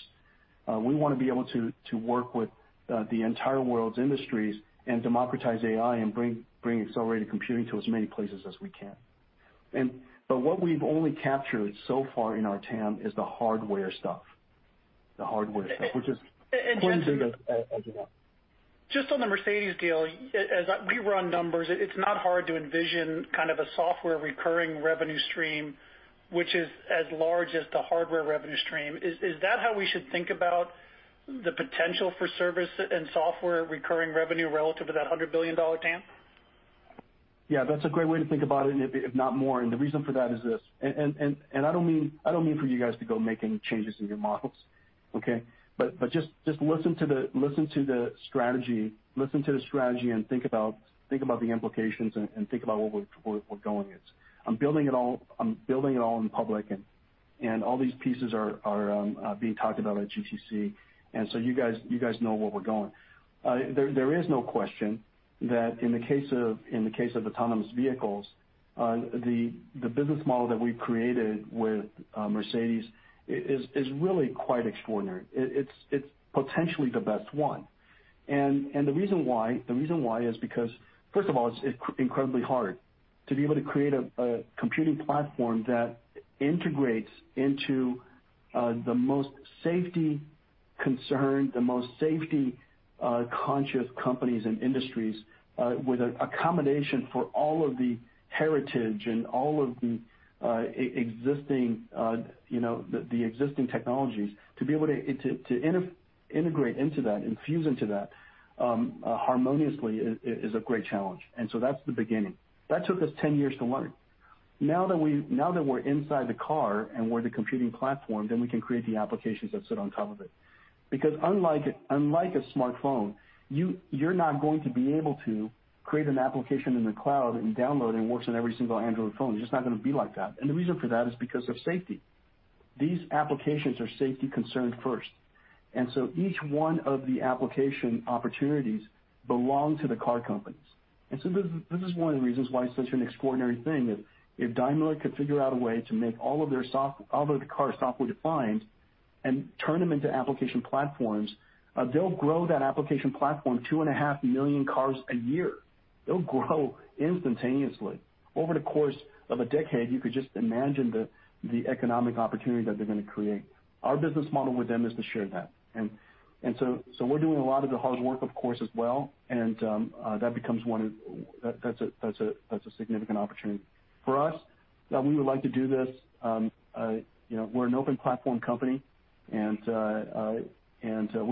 We wanna be able to work with the entire world's industries and democratize AI and bring accelerated computing to as many places as we can. What we've only captured so far in our TAM is the hardware stuff. The hardware stuff, which is- Jensen -plenty big as you know. Just on the Mercedes deal, we run numbers, it's not hard to envision kind of a software recurring revenue stream which is as large as the hardware revenue stream. Is that how we should think about the potential for service and software recurring revenue relative to that $100 billion TAM? Yeah, that's a great way to think about it, and if not more. The reason for that is this. I don't mean for you guys to go make any changes in your models, okay? Just listen to the strategy and think about the implications and think about where we're going is. I'm building it all in public and all these pieces are being talked about at GTC. You guys know where we're going. There is no question that in the case of autonomous vehicles, the business model that we've created with Mercedes is really quite extraordinary. It's potentially the best one. The reason why is because, first of all, it's incredibly hard to be able to create a computing platform that integrates into the most safety concerned, the most safety conscious companies and industries, with a combination for all of the heritage and all of the existing, you know, the existing technologies. To be able to integrate into that, infuse into that, harmoniously is a great challenge. That's the beginning. That took us 10 years to learn. Now that we're inside the car and we're the computing platform, we can create the applications that sit on top of it. Unlike a smartphone, you're not going to be able to create an application in the cloud and download and it works on every single Android phone. It's just not gonna be like that. The reason for that is because of safety. These applications are safety concerned first, and so each one of the application opportunities belong to the car companies. This is one of the reasons why it's such an extraordinary thing that if Daimler could figure out a way to make all of the car software defined and turn them into application platforms, they'll grow that application platform 2.5 million cars a year. They'll grow instantaneously. Over the course of a decade, you could just imagine the economic opportunity that they're gonna create. Our business model with them is to share that. So we're doing a lot of the hard work, of course, as well. That's a significant opportunity. For us, we would like to do this. You know, we're an open platform company, and we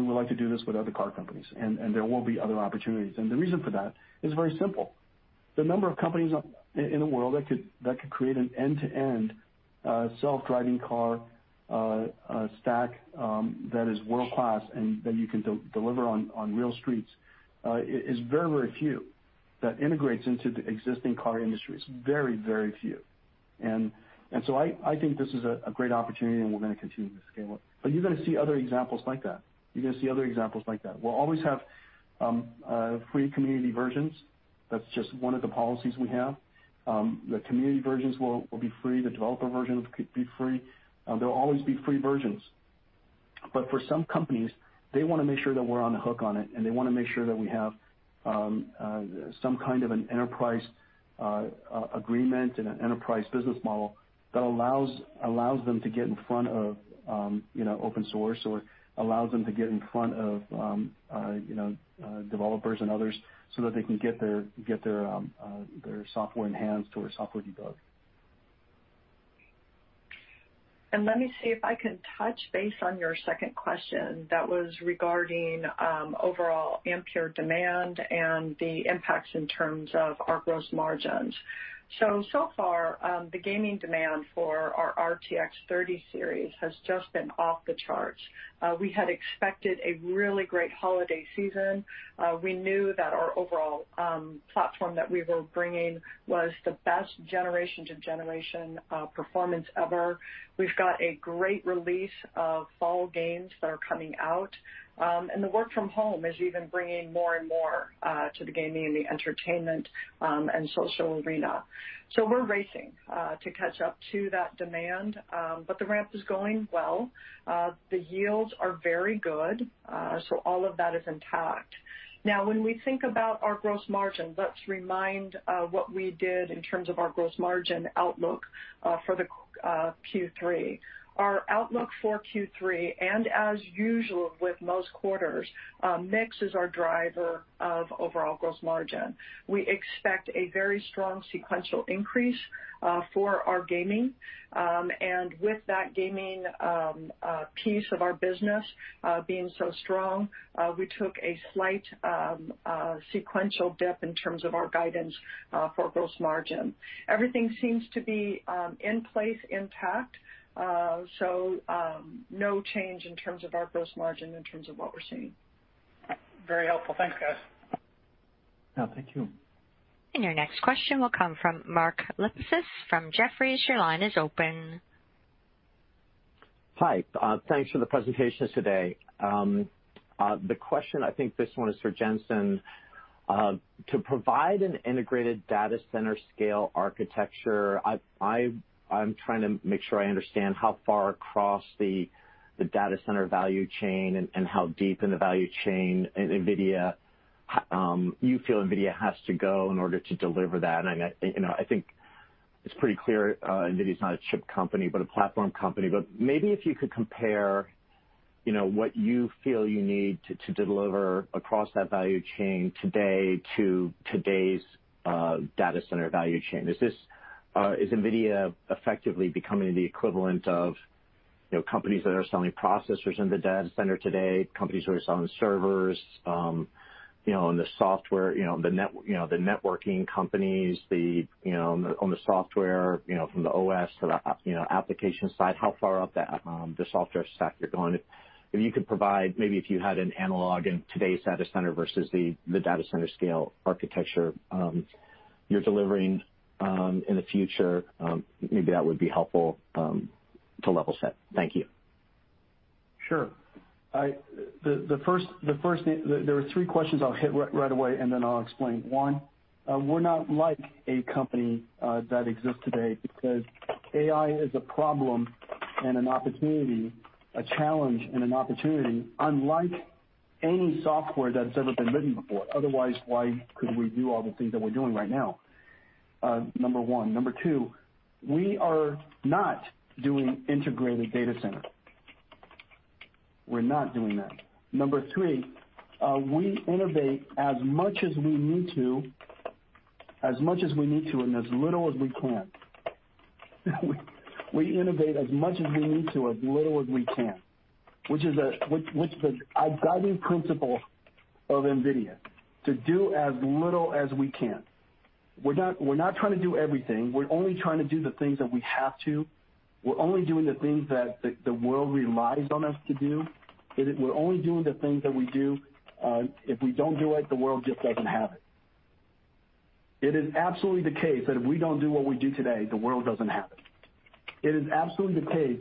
would like to do this with other car companies. There will be other opportunities. The reason for that is very simple. The number of companies in the world that could create an end-to-end self-driving car stack that is world-class and that you can deliver on real streets is very, very few that integrates into the existing car industries. Very, very few. I think this is a great opportunity, and we're gonna continue to scale up. You're gonna see other examples like that. You're gonna see other examples like that. We'll always have free community versions. That's just one of the policies we have. The community versions will be free. The developer version will be free. There'll always be free versions. For some companies, they wanna make sure that we're on the hook on it, and they wanna make sure that we have some kind of an enterprise agreement and an enterprise business model that allows them to get in front of, you know, open source or allows them to get in front of, you know, developers and others so that they can get their software enhanced or software debugged. Let me see if I can touch base on your second question that was regarding overall Ampere demand and the impacts in terms of our gross margins. So far, the gaming demand for our RTX 30 series has just been off the charts. We had expected a really great holiday season. We knew that our overall platform that we were bringing was the best generation-to-generation performance ever. We've got a great release of fall games that are coming out. The work from home is even bringing more and more to the gaming and the entertainment and social arena. We're racing to catch up to that demand, but the ramp is going well. The yields are very good, so all of that is intact. When we think about our gross margin, let's remind what we did in terms of our gross margin outlook for Q3. Our outlook for Q3, as usual with most quarters, mix is our driver of overall gross margin. We expect a very strong sequential increase for our gaming, with that gaming piece of our business being so strong, we took a slight sequential dip in terms of our guidance for gross margin. Everything seems to be in place, intact, no change in terms of our gross margin in terms of what we're seeing. Very helpful. Thanks, guys. Yeah, thank you. Your next question will come from Mark Lipacis from Jefferies. Your line is open. Hi. Thanks for the presentation today. The question, I think this one is for Jensen. To provide an integrated data center scale architecture, I'm trying to make sure I understand how far across the data center value chain and how deep in the value chain NVIDIA you feel NVIDIA has to go in order to deliver that. I, you know, I think it's pretty clear NVIDIA's not a chip company but a platform company. Maybe if you could compare, you know, what you feel you need to deliver across that value chain today to today's data center value chain. Is this, is NVIDIA effectively becoming the equivalent of, you know, companies that are selling processors in the data center today, companies that are selling servers, you know, and the software, you know, the networking companies, the, you know, on the, on the software, you know, from the OS to the app, you know, application side, how far up that the software stack you're going? If you could provide maybe if you had an analog in today's data center versus the data center scale architecture you're delivering in the future, maybe that would be helpful to level set. Thank you. Sure. The first thing, there are three questions I'll hit right away, and then I'll explain. One, we're not like a company that exists today because AI is a problem and an opportunity, a challenge and an opportunity, unlike any software that's ever been written before. Otherwise, why could we do all the things that we're doing right now? Number 1. Number 2, we are not doing integrated data center. We're not doing that. Number 3, we innovate as much as we need to and as little as we can. We innovate as much as we need to, as little as we can, which is the guiding principle of NVIDIA, to do as little as we can. We're not trying to do everything. We're only trying to do the things that we have to. We're only doing the things that the world relies on us to do. We're only doing the things that we do. If we don't do it, the world just doesn't have it. It is absolutely the case that if we don't do what we do today, the world doesn't have it. It is absolutely the case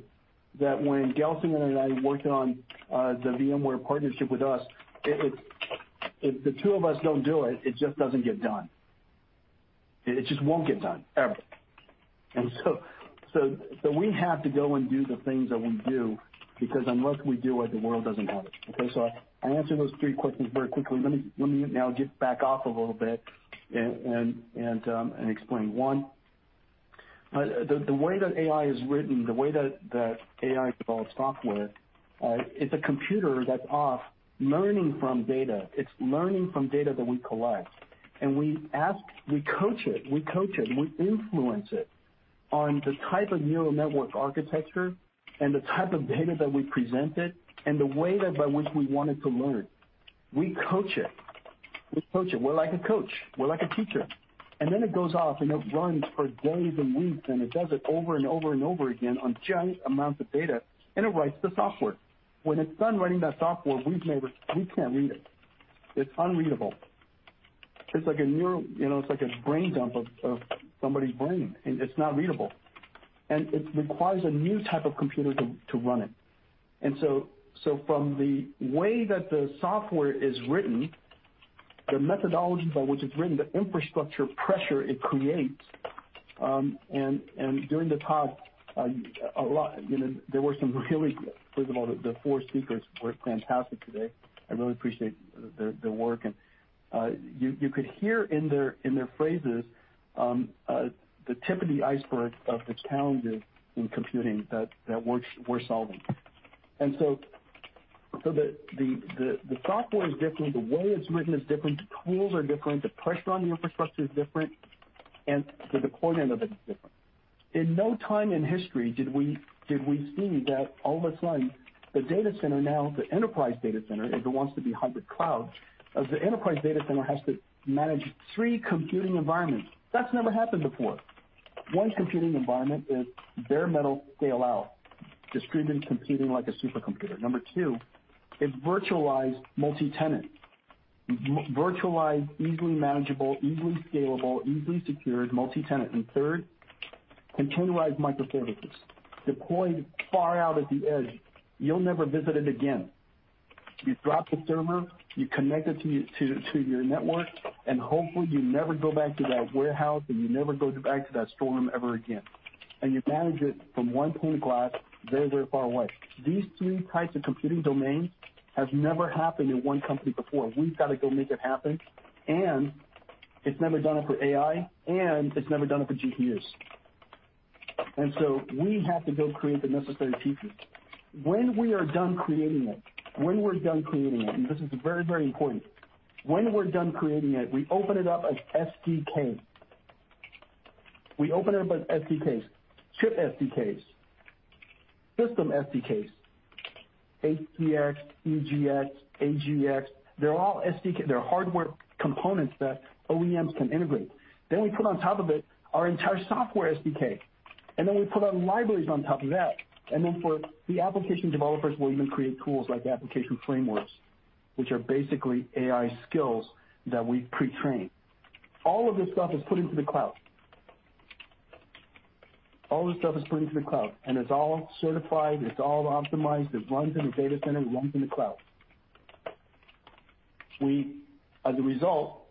that when Gelsinger and I worked on the VMware partnership with us, if the two of us don't do it just doesn't get done. It just won't get done, ever. We have to go and do the things that we do because unless we do it, the world doesn't have it. I answered those three questions very quickly. Let me now get back off a little bit and explain one. The way that AI is written, the way that AI develops software, it's a computer that's off learning from data. It's learning from data that we collect. We ask, we coach it, and we influence it. On the type of neural network architecture and the type of data that we presented and the way that by which we want it to learn, we coach it. We're like a coach. We're like a teacher. It goes off, and it runs for days and weeks, and it does it over and over and over again on giant amounts of data, and it writes the software. When it's done writing that software, we can't read it. It's unreadable. It's like a neural, it's like a brain dump of somebody's brain, and it's not readable. It requires a new type of computer to run it. From the way that the software is written, the methodology by which it's written, the infrastructure pressure it creates, and during the talk, a lot there were some really, first of all, the four speakers were fantastic today. I really appreciate their work. You could hear in their phrases, the tip of the iceberg of the challenges in computing that we're solving. The software is different, the way it's written is different, the tools are different, the pressure on the infrastructure is different, and the deployment of it is different. In no time in history did we see that all of a sudden the data center now, the enterprise data center, if it wants to be hybrid cloud, the enterprise data center has to manage three computing environments. That's never happened before. One computing environment is bare metal scale-out, distributed computing like a supercomputer. Number two is virtualized multi-tenant. Virtualized, easily manageable, easily scalable, easily secured multi-tenant. Third, containerized microservices deployed far out at the edge. You'll never visit it again. You drop the server, you connect it to your network, and hopefully you never go back to that warehouse, and you never go back to that storeroom ever again. You manage it from one pane of glass very, very far away. These three types of computing domains has never happened in one company before. We've gotta go make it happen. It's never done it for AI. It's never done it for GPUs. We have to go create the necessary pieces. When we are done creating it, this is very, very important, when we're done creating it, we open it up as SDK. We open it up as SDKs. Chip SDKs, system SDKs, HGX, EGX, AGX. They're all SDKs. They're hardware components that OEMs can integrate. We put on top of it our entire software SDK. We put our libraries on top of that. For the application developers, we'll even create tools like application frameworks, which are basically AI skills that we pre-train. All of this stuff is put into the cloud. All of this stuff is put into the cloud. It's all certified, it's all optimized. It runs in the data center, it runs in the cloud. We, as a result,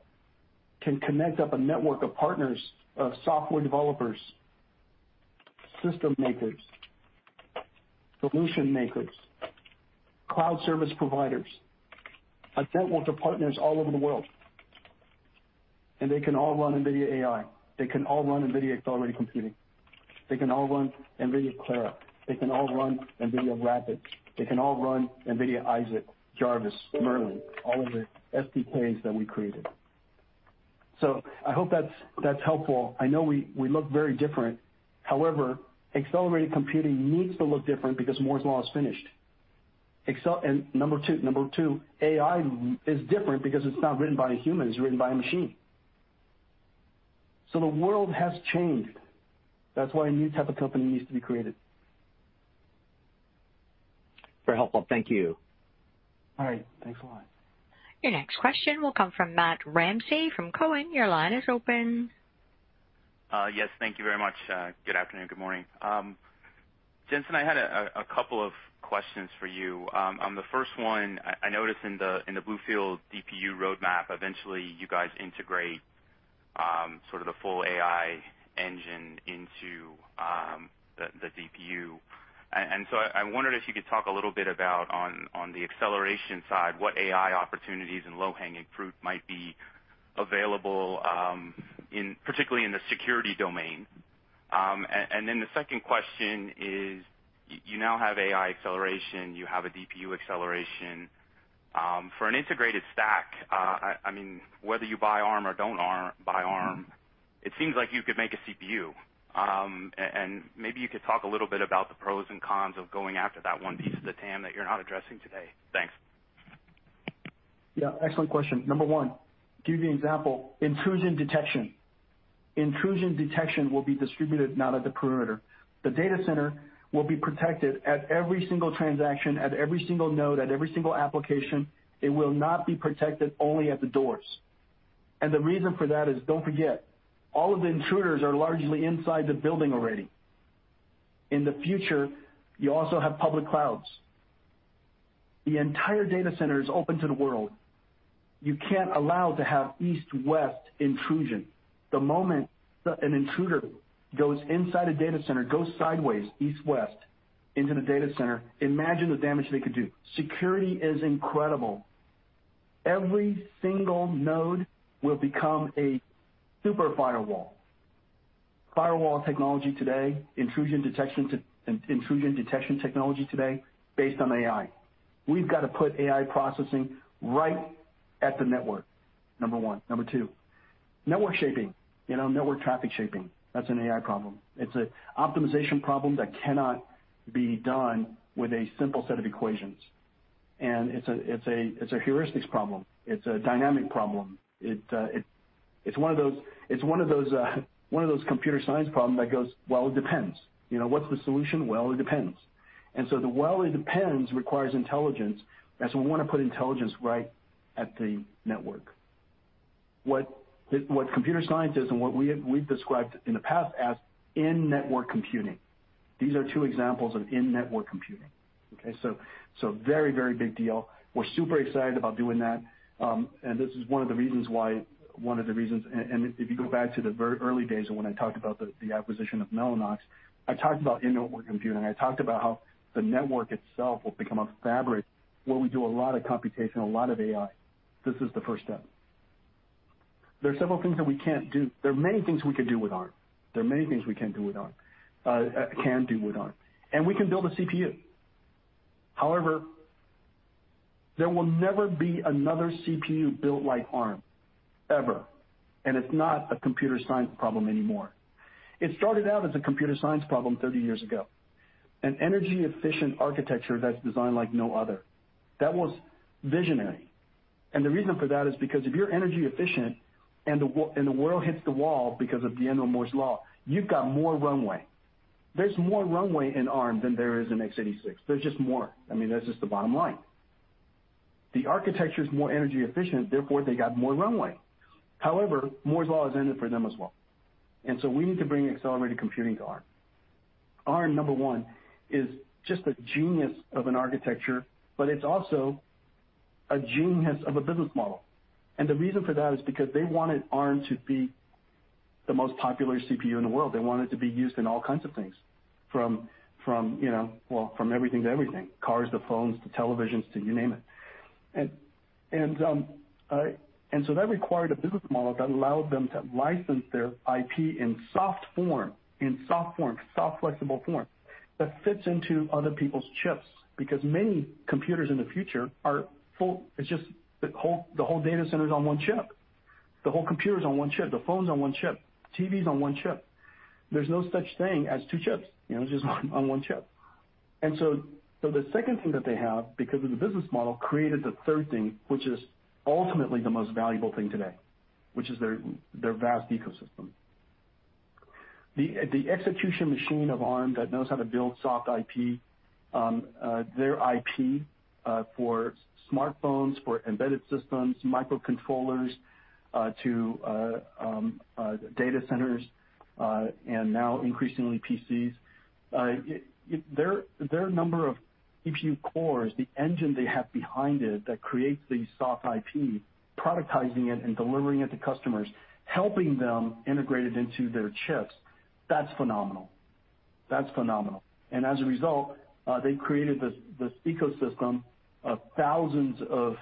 can connect up a network of partners, of software developers, system makers, solution makers, cloud service providers, a network of partners all over the world, and they can all run NVIDIA AI. They can all run NVIDIA accelerated computing. They can all run NVIDIA Clara. They can all run NVIDIA RAPIDS. They can all run NVIDIA Isaac, Jarvis, Merlin, all of the SDKs that we created. I hope that's helpful. I know we look very different. However, accelerated computing needs to look different because Moore's Law is finished. Number 2, AI is different because it's not written by a human, it's written by a machine. The world has changed. That's why a new type of company needs to be created. Very helpful. Thank you. All right. Thanks a lot. Your next question will come from Matt Ramsay from Cowen. Your line is open. Yes, thank you very much. Good afternoon, good morning. Jensen, I had a couple of questions for you. On the first one, I noticed in the BlueField DPU roadmap, eventually you guys integrate sort of the full AI engine into the DPU. So I wondered if you could talk a little bit about on the acceleration side, what AI opportunities and low-hanging fruit might be available, particularly in the security domain. Then the second question is, you now have AI acceleration, you have a DPU acceleration. For an integrated stack, I mean, whether you buy ARM or don't ARM, buy ARM, it seems like you could make a CPU. Maybe you could talk a little bit about the pros and cons of going after that one piece of the TAM that you're not addressing today. Thanks. Yeah, excellent question. Number 1, give you an example. Intrusion detection. Intrusion detection will be distributed, not at the perimeter. The data center will be protected at every single transaction, at every single node, at every single application. It will not be protected only at the doors. The reason for that is, don't forget, all of the intruders are largely inside the building already. In the future, you also have public clouds. The entire data center is open to the world. You can't allow to have east-west intrusion. The moment an intruder goes inside a data center, goes sideways, east-west into the data center, imagine the damage they could do. Security is incredible. Every single node will become a super firewall. Firewall technology today, intrusion detection technology today based on AI. We've gotta put AI processing right at the network. Number 1. Number 2, network shaping. You know, network traffic shaping. That's an AI problem. It's an optimization problem that cannot be done with a simple set of equations. It's a heuristics problem. It's a dynamic problem. It's one of those computer science problems that goes, "Well, it depends." You know, what's the solution? Well, it depends. The well, it depends requires intelligence, and so we want to put intelligence right at the network. What computer science is and what we've described in the past as in-network computing. These are two examples of in-network computing, okay? Very big deal. We're super excited about doing that. This is one of the reasons why, one of the reasons. If you go back to the early days and when I talked about the acquisition of Mellanox, I talked about in-network computing, I talked about how the network itself will become a fabric where we do a lot of computation, a lot of AI. This is the first step. There are several things that we can't do. There are many things we can do with ARM. There are many things we can do with ARM, and we can build a CPU. However, there will never be another CPU built like ARM, ever, and it's not a computer science problem anymore. It started out as a computer science problem 30 years ago. An energy-efficient architecture that's designed like no other. That was visionary. The reason for that is because if you're energy efficient and the world hits the wall because of the end of Moore's Law, you've got more runway. There's more runway in ARM than there is in x86. There's just more. I mean, that's just the bottom line. The architecture's more energy efficient, therefore they got more runway. However, Moore's Law has ended for them as well. We need to bring accelerated computing to ARM. ARM, number 1, is just a genius of an architecture, but it's also a genius of a business model. The reason for that is because they wanted ARM to be the most popular CPU in the world. They want it to be used in all kinds of things, from, you know, well, from everything to everything, cars to phones to televisions to you name it. That required a business model that allowed them to license their IP in soft form, soft, flexible form, that fits into other people's chips, because many computers in the future are full. It's just the whole data center's on one chip. The whole computer's on one chip. The phone's on one chip. TV's on one chip. There's no such thing as two chips, you know? Just on one chip. The second thing that they have, because of the business model, created the third thing, which is ultimately the most valuable thing today, which is their vast ecosystem. The execution machine of ARM that knows how to build soft IP, their IP, for smartphones, for embedded systems, microcontrollers, to data centers, and now increasingly PCs. Their number of CPU cores, the engine they have behind it that creates the soft IP, productizing it and delivering it to customers, helping them integrate it into their chips, that's phenomenal. That's phenomenal. As a result, they've created this ecosystem of thousands of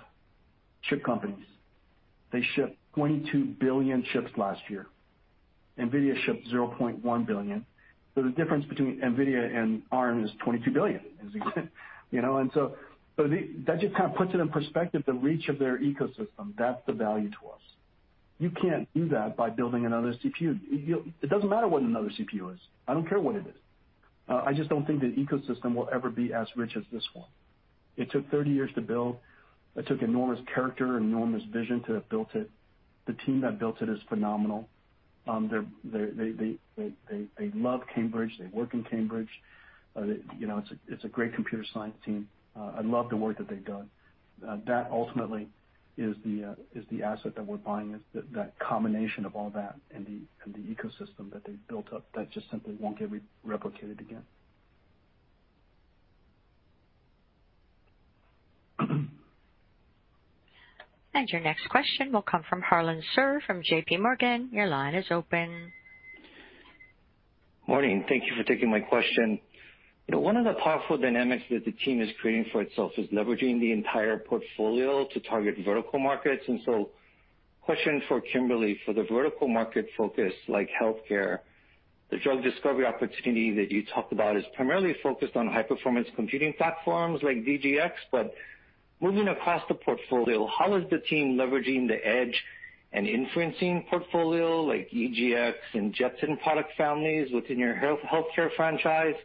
chip companies. They shipped 22 billion chips last year. NVIDIA shipped 0.1 billion. The difference between NVIDIA and ARM is 22 billion, as you can, you know. That just kind of puts it in perspective, the reach of their ecosystem. That's the value to us. You can't do that by building another CPU. It doesn't matter what another CPU is. I don't care what it is. I just don't think the ecosystem will ever be as rich as this one. It took 30 years to build. It took enormous character and enormous vision to have built it. The team that built it is phenomenal. They love Cambridge. They work in Cambridge. They, you know, it's a great computer science team. I love the work that they've done. That ultimately is the asset that we're buying, is that combination of all that and the ecosystem that they've built up that just simply won't get replicated again. Your next question will come from Harlan Sur from JPMorgan. Morning. Thank you for taking my question. You know, one of the powerful dynamics that the team is creating for itself is leveraging the entire portfolio to target vertical markets. Question for Kimberly, for the vertical market focus, like healthcare, the drug discovery opportunity that you talked about is primarily focused on high-performance computing platforms like DGX. Moving across the portfolio, how is the team leveraging the edge and inferencing portfolio like EGX and Jetson product families within your healthcare franchise?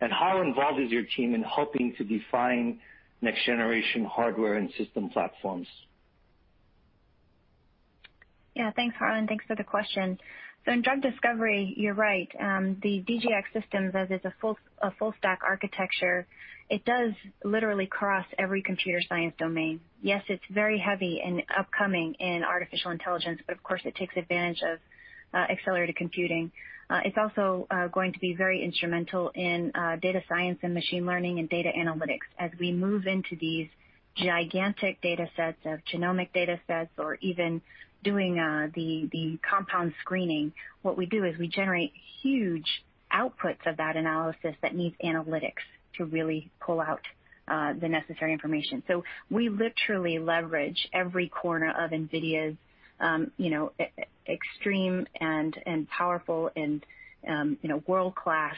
How involved is your team in helping to define next-generation hardware and system platforms? Thanks, Harlan. Thanks for the question. In drug discovery, you're right, the DGX systems, as it's a full stack architecture, it does literally cross every computer science domain. Yes, it's very heavy and upcoming in artificial intelligence, but of course it takes advantage of accelerated computing. It's also going to be very instrumental in data science and machine learning and data analytics. As we move into these gigantic data sets of genomic data sets or even doing the compound screening, what we do is we generate huge outputs of that analysis that needs analytics to really pull out the necessary information. We literally leverage every corner of NVIDIA's, you know, extreme and powerful and, you know, world-class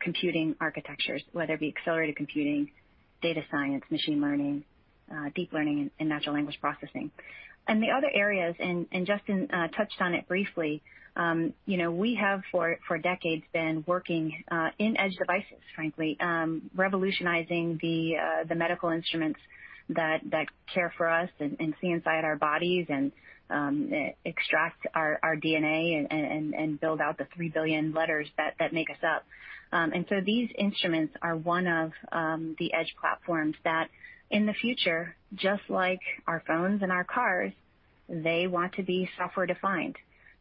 computing architectures, whether it be accelerated computing, data science, machine learning, deep learning and natural language processing. The other areas, and Justin touched on it briefly, you know, we have for decades been working in edge devices, frankly, revolutionizing the medical instruments that care for us and see inside our bodies and extract our DNA and build out the three billion letters that make us up. These instruments are one of the edge platforms that in the future, just like our phones and our cars, they want to be software-defined.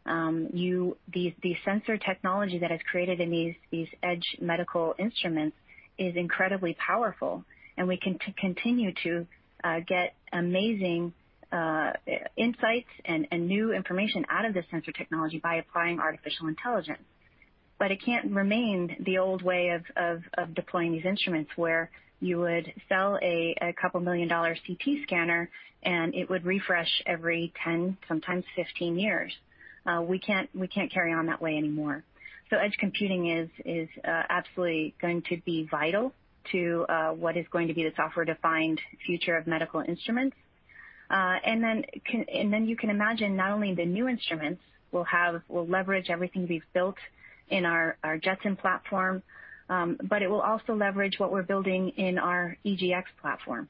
The sensor technology that is created in these edge medical instruments is incredibly powerful, and we can continue to get amazing insights and new information out of the sensor technology by applying artificial intelligence. It can't remain the old way of deploying these instruments, where you would sell a couple million dollar CT scanner, and it would refresh every 10, sometimes 15 years. We can't carry on that way anymore. Edge computing is absolutely going to be vital to what is going to be the software-defined future of medical instruments. And then you can imagine not only the new instruments will leverage everything we've built in our Jetson platform, but it will also leverage what we're building in our EGX platform.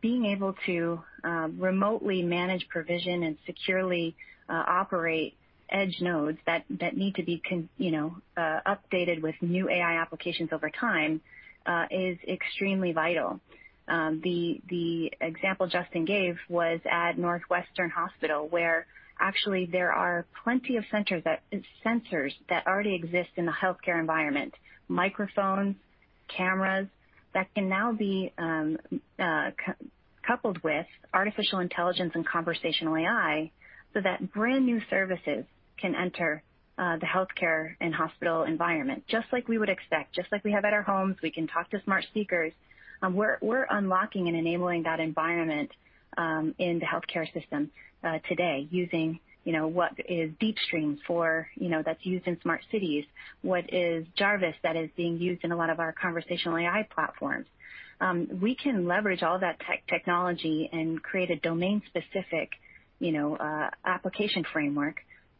Being able to remotely manage provision and securely operate edge nodes that need to be updated with new AI applications over time is extremely vital. The example Justin gave was at Northwestern Medicine, where actually there are plenty of sensors that already exist in the healthcare environment, microphones, cameras, that can now be coupled with artificial intelligence and conversational AI so that brand-new services can enter the healthcare and hospital environment, just like we would expect, just like we have at our homes. We can talk to smart speakers. We're unlocking and enabling that environment in the healthcare system today using, you know, what is DeepStream for, you know, that's used in smart cities, what is Jarvis that is being used in a lot of our conversational AI platforms. We can leverage all that technology and create a domain-specific, you know, application framework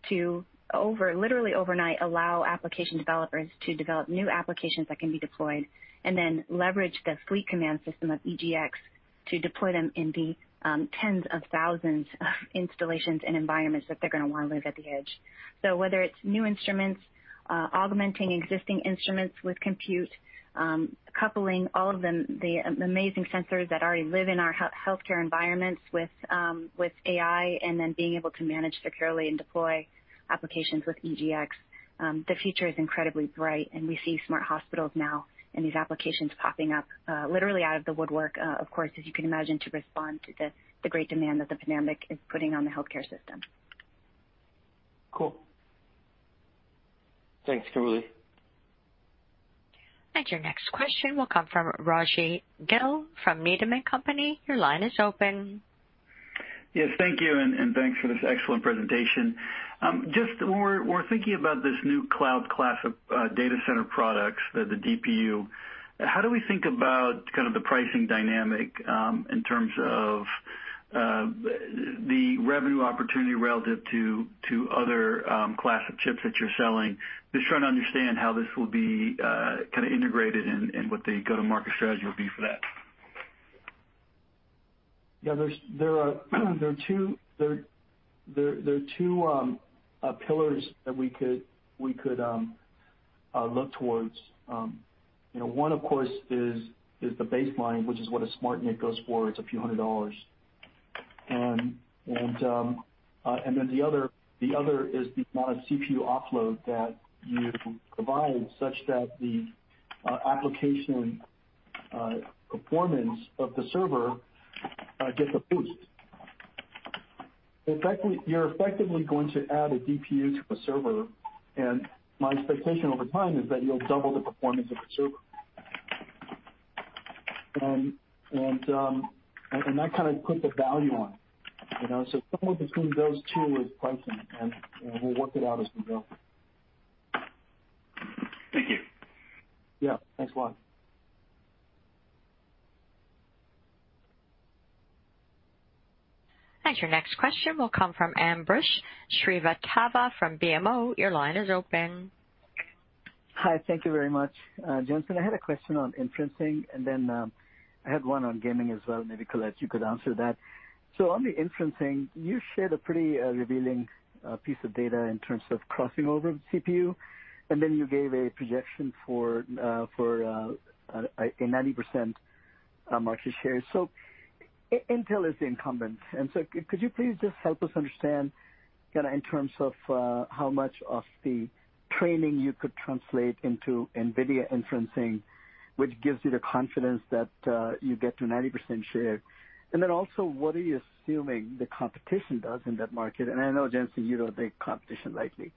to literally overnight allow application developers to develop new applications that can be deployed and then leverage the Fleet Command System of EGX to deploy them in the tens of thousands of installations and environments that they're gonna wanna live at the edge. Whether it's new instruments, augmenting existing instruments with compute, coupling all of them, the amazing sensors that already live in our healthcare environments with AI, and then being able to manage securely and deploy applications with EGX, the future is incredibly bright. We see smart hospitals now and these applications popping up literally out of the woodwork, of course, as you can imagine, to respond to the great demand that the pandemic is putting on the healthcare system. Cool. Thanks, Colette. Your next question will come from Rajvindra Gill from Needham & Company. Your line is open. Yes, thank you, and thanks for this excellent presentation. Just when we're thinking about this new cloud class of data center products, the DPU, how do we think about kind of the pricing dynamic in terms of the revenue opportunity relative to other class of chips that you're selling? Just trying to understand how this will be kinda integrated and what the go-to-market strategy will be for that. Yeah, there are two pillars that we could look towards. You know, one, of course, is the baseline, which is what a SmartNIC goes for. It's a few hundred dollars. Then the other is the amount of CPU offload that you provide such that the application performance of the server gets a boost. Effectively, you're going to add a DPU to a server, and my expectation over time is that you'll double the performance of the server. That kinda put the value on it, you know? Somewhere between those two is pricing, and, you know, we'll work it out as we go. Thank you. Yeah. Thanks a lot. Your next question will come from Ambrish Srivastava from BMO. Your line is open. Hi. Thank you very much. Jensen, I had a question on inferencing, and then I had one on gaming as well. Maybe, Colette, you could answer that. On the inferencing, you shared a pretty revealing piece of data in terms of crossing over CPU, and then you gave a projection for a 90% market share. Intel is the incumbent. Could you please just help us understand kinda in terms of how much of the training you could translate into NVIDIA inferencing, which gives you the confidence that you get to 90% share? Also, what are you assuming the competition does in that market? I know, Jensen, you don't take competition lightly.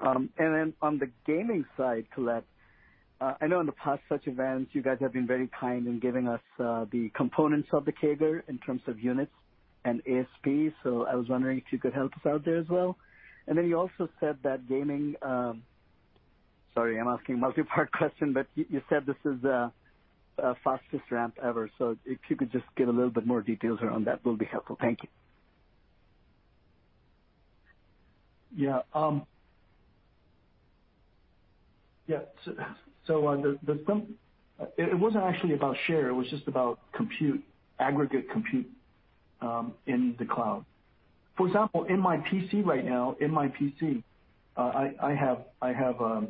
On the gaming side, Colette, I know in the past such events, you guys have been very kind in giving us, the components of the CAGR in terms of units. ASP, I was wondering if you could help us out there as well. You also said that gaming, Sorry, I'm asking multi-part question, but you said this is fastest ramp ever. If you could just give a little bit more details around that will be helpful. Thank you. It wasn't actually about share, it was just about compute, aggregate compute in the cloud. For example, in my PC right now, in my PC, I have a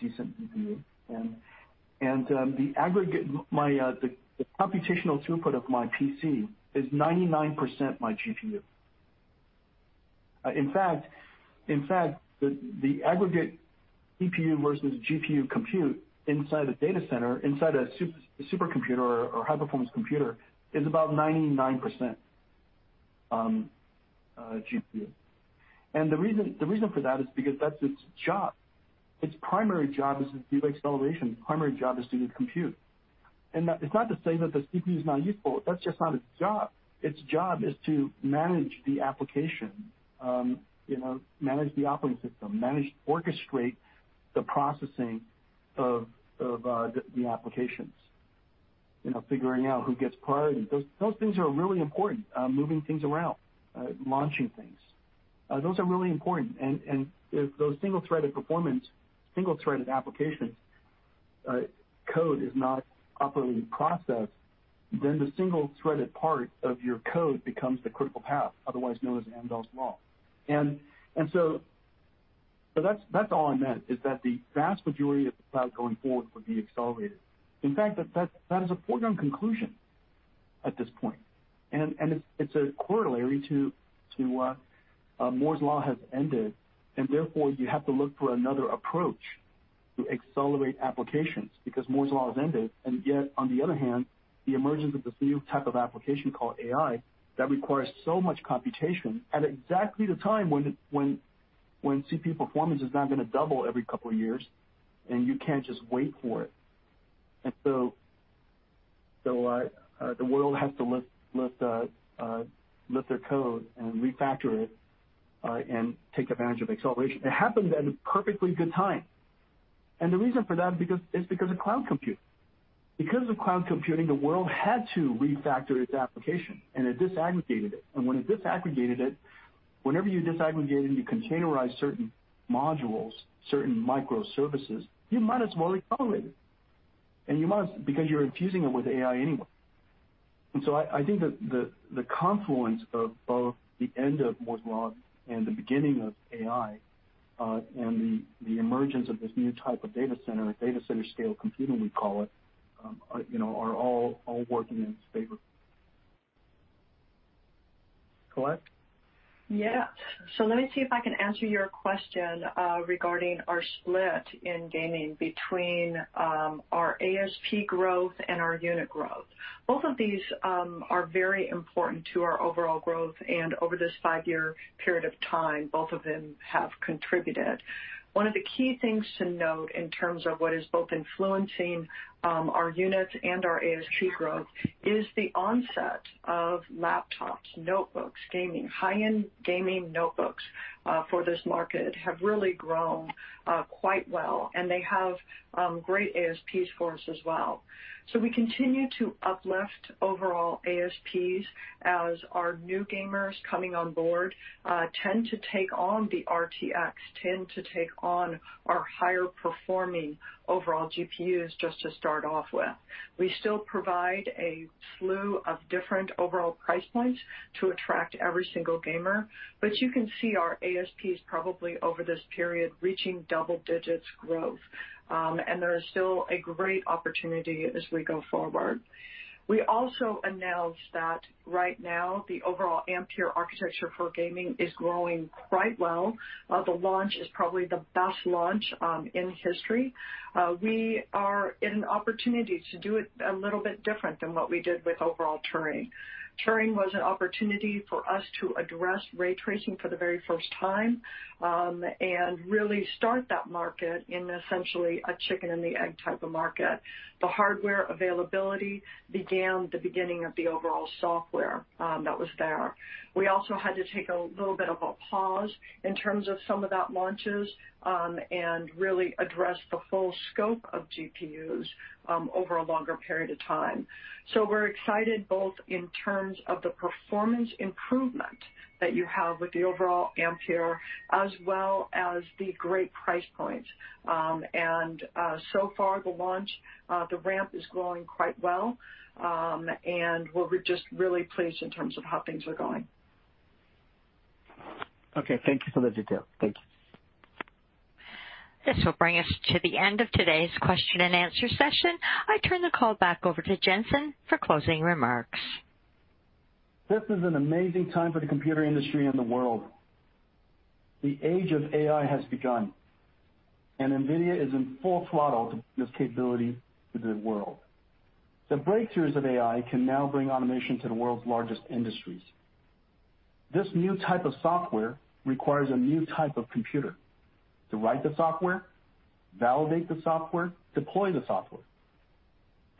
decent GPU and the aggregate computational throughput of my PC is 99% my GPU. In fact, the aggregate CPU versus GPU compute inside a data center, inside a supercomputer or high-performance computer is about 99% GPU. The reason for that is because that's its job. Its primary job isn't GPU acceleration. Its primary job is to do compute. It's not to say that the CPU is not useful. That's just not its job. Its job is to manage the application, you know, manage the operating system, manage, orchestrate the processing of the applications. You know, figuring out who gets priority. Those things are really important. Moving things around, launching things, those are really important. If those single-threaded performance, single-threaded application code is not properly processed, then the single-threaded part of your code becomes the critical path, otherwise known as Amdahl's law. So that's all I meant, is that the vast majority of the cloud going forward will be accelerated. In fact, that is a foregone conclusion at this point. It's a corollary to Moore's Law has ended, and therefore, you have to look for another approach to accelerate applications because Moore's Law has ended. Yet, on the other hand, the emergence of this new type of application called AI that requires so much computation at exactly the time when CPU performance is not gonna double every couple years, and you can't just wait for it. So, the world has to lift their code and refactor it and take advantage of acceleration. It happened at a perfectly good time. The reason for that is because of cloud computing. Because of cloud computing, the world had to refactor its application, and it disaggregated it. When it disaggregated it, whenever you disaggregate and you containerize certain modules, certain microservices, you might as well accelerate it. You must because you're infusing it with AI anyway. I think that the confluence of both the end of Moore's Law and the beginning of AI, and the emergence of this new type of data center scale computing we call it, are, you know, are all working in its favor. Colette? Let me see if I can answer your question regarding our split in gaming between our ASP growth and our unit growth. Both of these are very important to our overall growth, and over this five-year period of time, both of them have contributed. One of the key things to note in terms of what is both influencing our units and our ASP growth is the onset of laptops, notebooks, gaming. High-end gaming notebooks for this market have really grown quite well, and they have great ASPs for us as well. We continue to uplift overall ASPs as our new gamers coming on board tend to take on the RTX, tend to take on our higher performing overall GPUs just to start off with. We still provide a slew of different overall price points to attract every single gamer, but you can see our ASP is probably, over this period, reaching double digits growth. There is still a great opportunity as we go forward. We also announced that right now the overall Ampere architecture for gaming is growing quite well. The launch is probably the best launch in history. We are in an opportunity to do it a little bit different than what we did with overall Turing. Turing was an opportunity for us to address ray tracing for the very first time and really start that market in essentially a chicken and the egg type of market. The hardware availability began the beginning of the overall software that was there. We also had to take a little bit of a pause in terms of some of that launches, and really address the full scope of GPUs over a longer period of time. We're excited both in terms of the performance improvement that you have with the overall Ampere as well as the great price point. So far the launch, the ramp is growing quite well. We're just really pleased in terms of how things are going. Okay. Thank you for the detail. Thank you. This will bring us to the end of today's question and answer session. I turn the call back over to Jensen for closing remarks. This is an amazing time for the computer industry and the world. The age of AI has begun. NVIDIA is in full throttle to bring this capability to the world. The breakthroughs of AI can now bring automation to the world's largest industries. This new type of software requires a new type of computer to write the software, validate the software, deploy the software.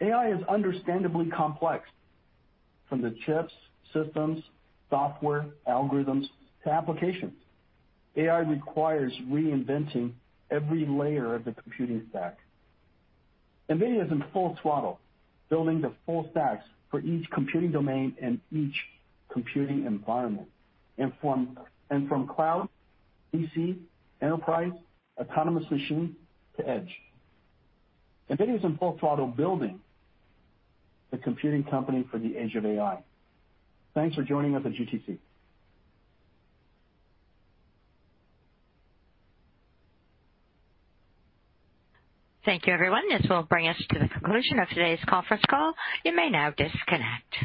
AI is understandably complex. From the chips, systems, software, algorithms to applications, AI requires reinventing every layer of the computing stack. NVIDIA is in full throttle, building the full stacks for each computing domain and each computing environment, and from cloud, PC, enterprise, autonomous machine to edge. NVIDIA's in full throttle building the computing company for the age of AI. Thanks for joining us at GTC. Thank you, everyone. This will bring us to the conclusion of today's conference call. You may now disconnect.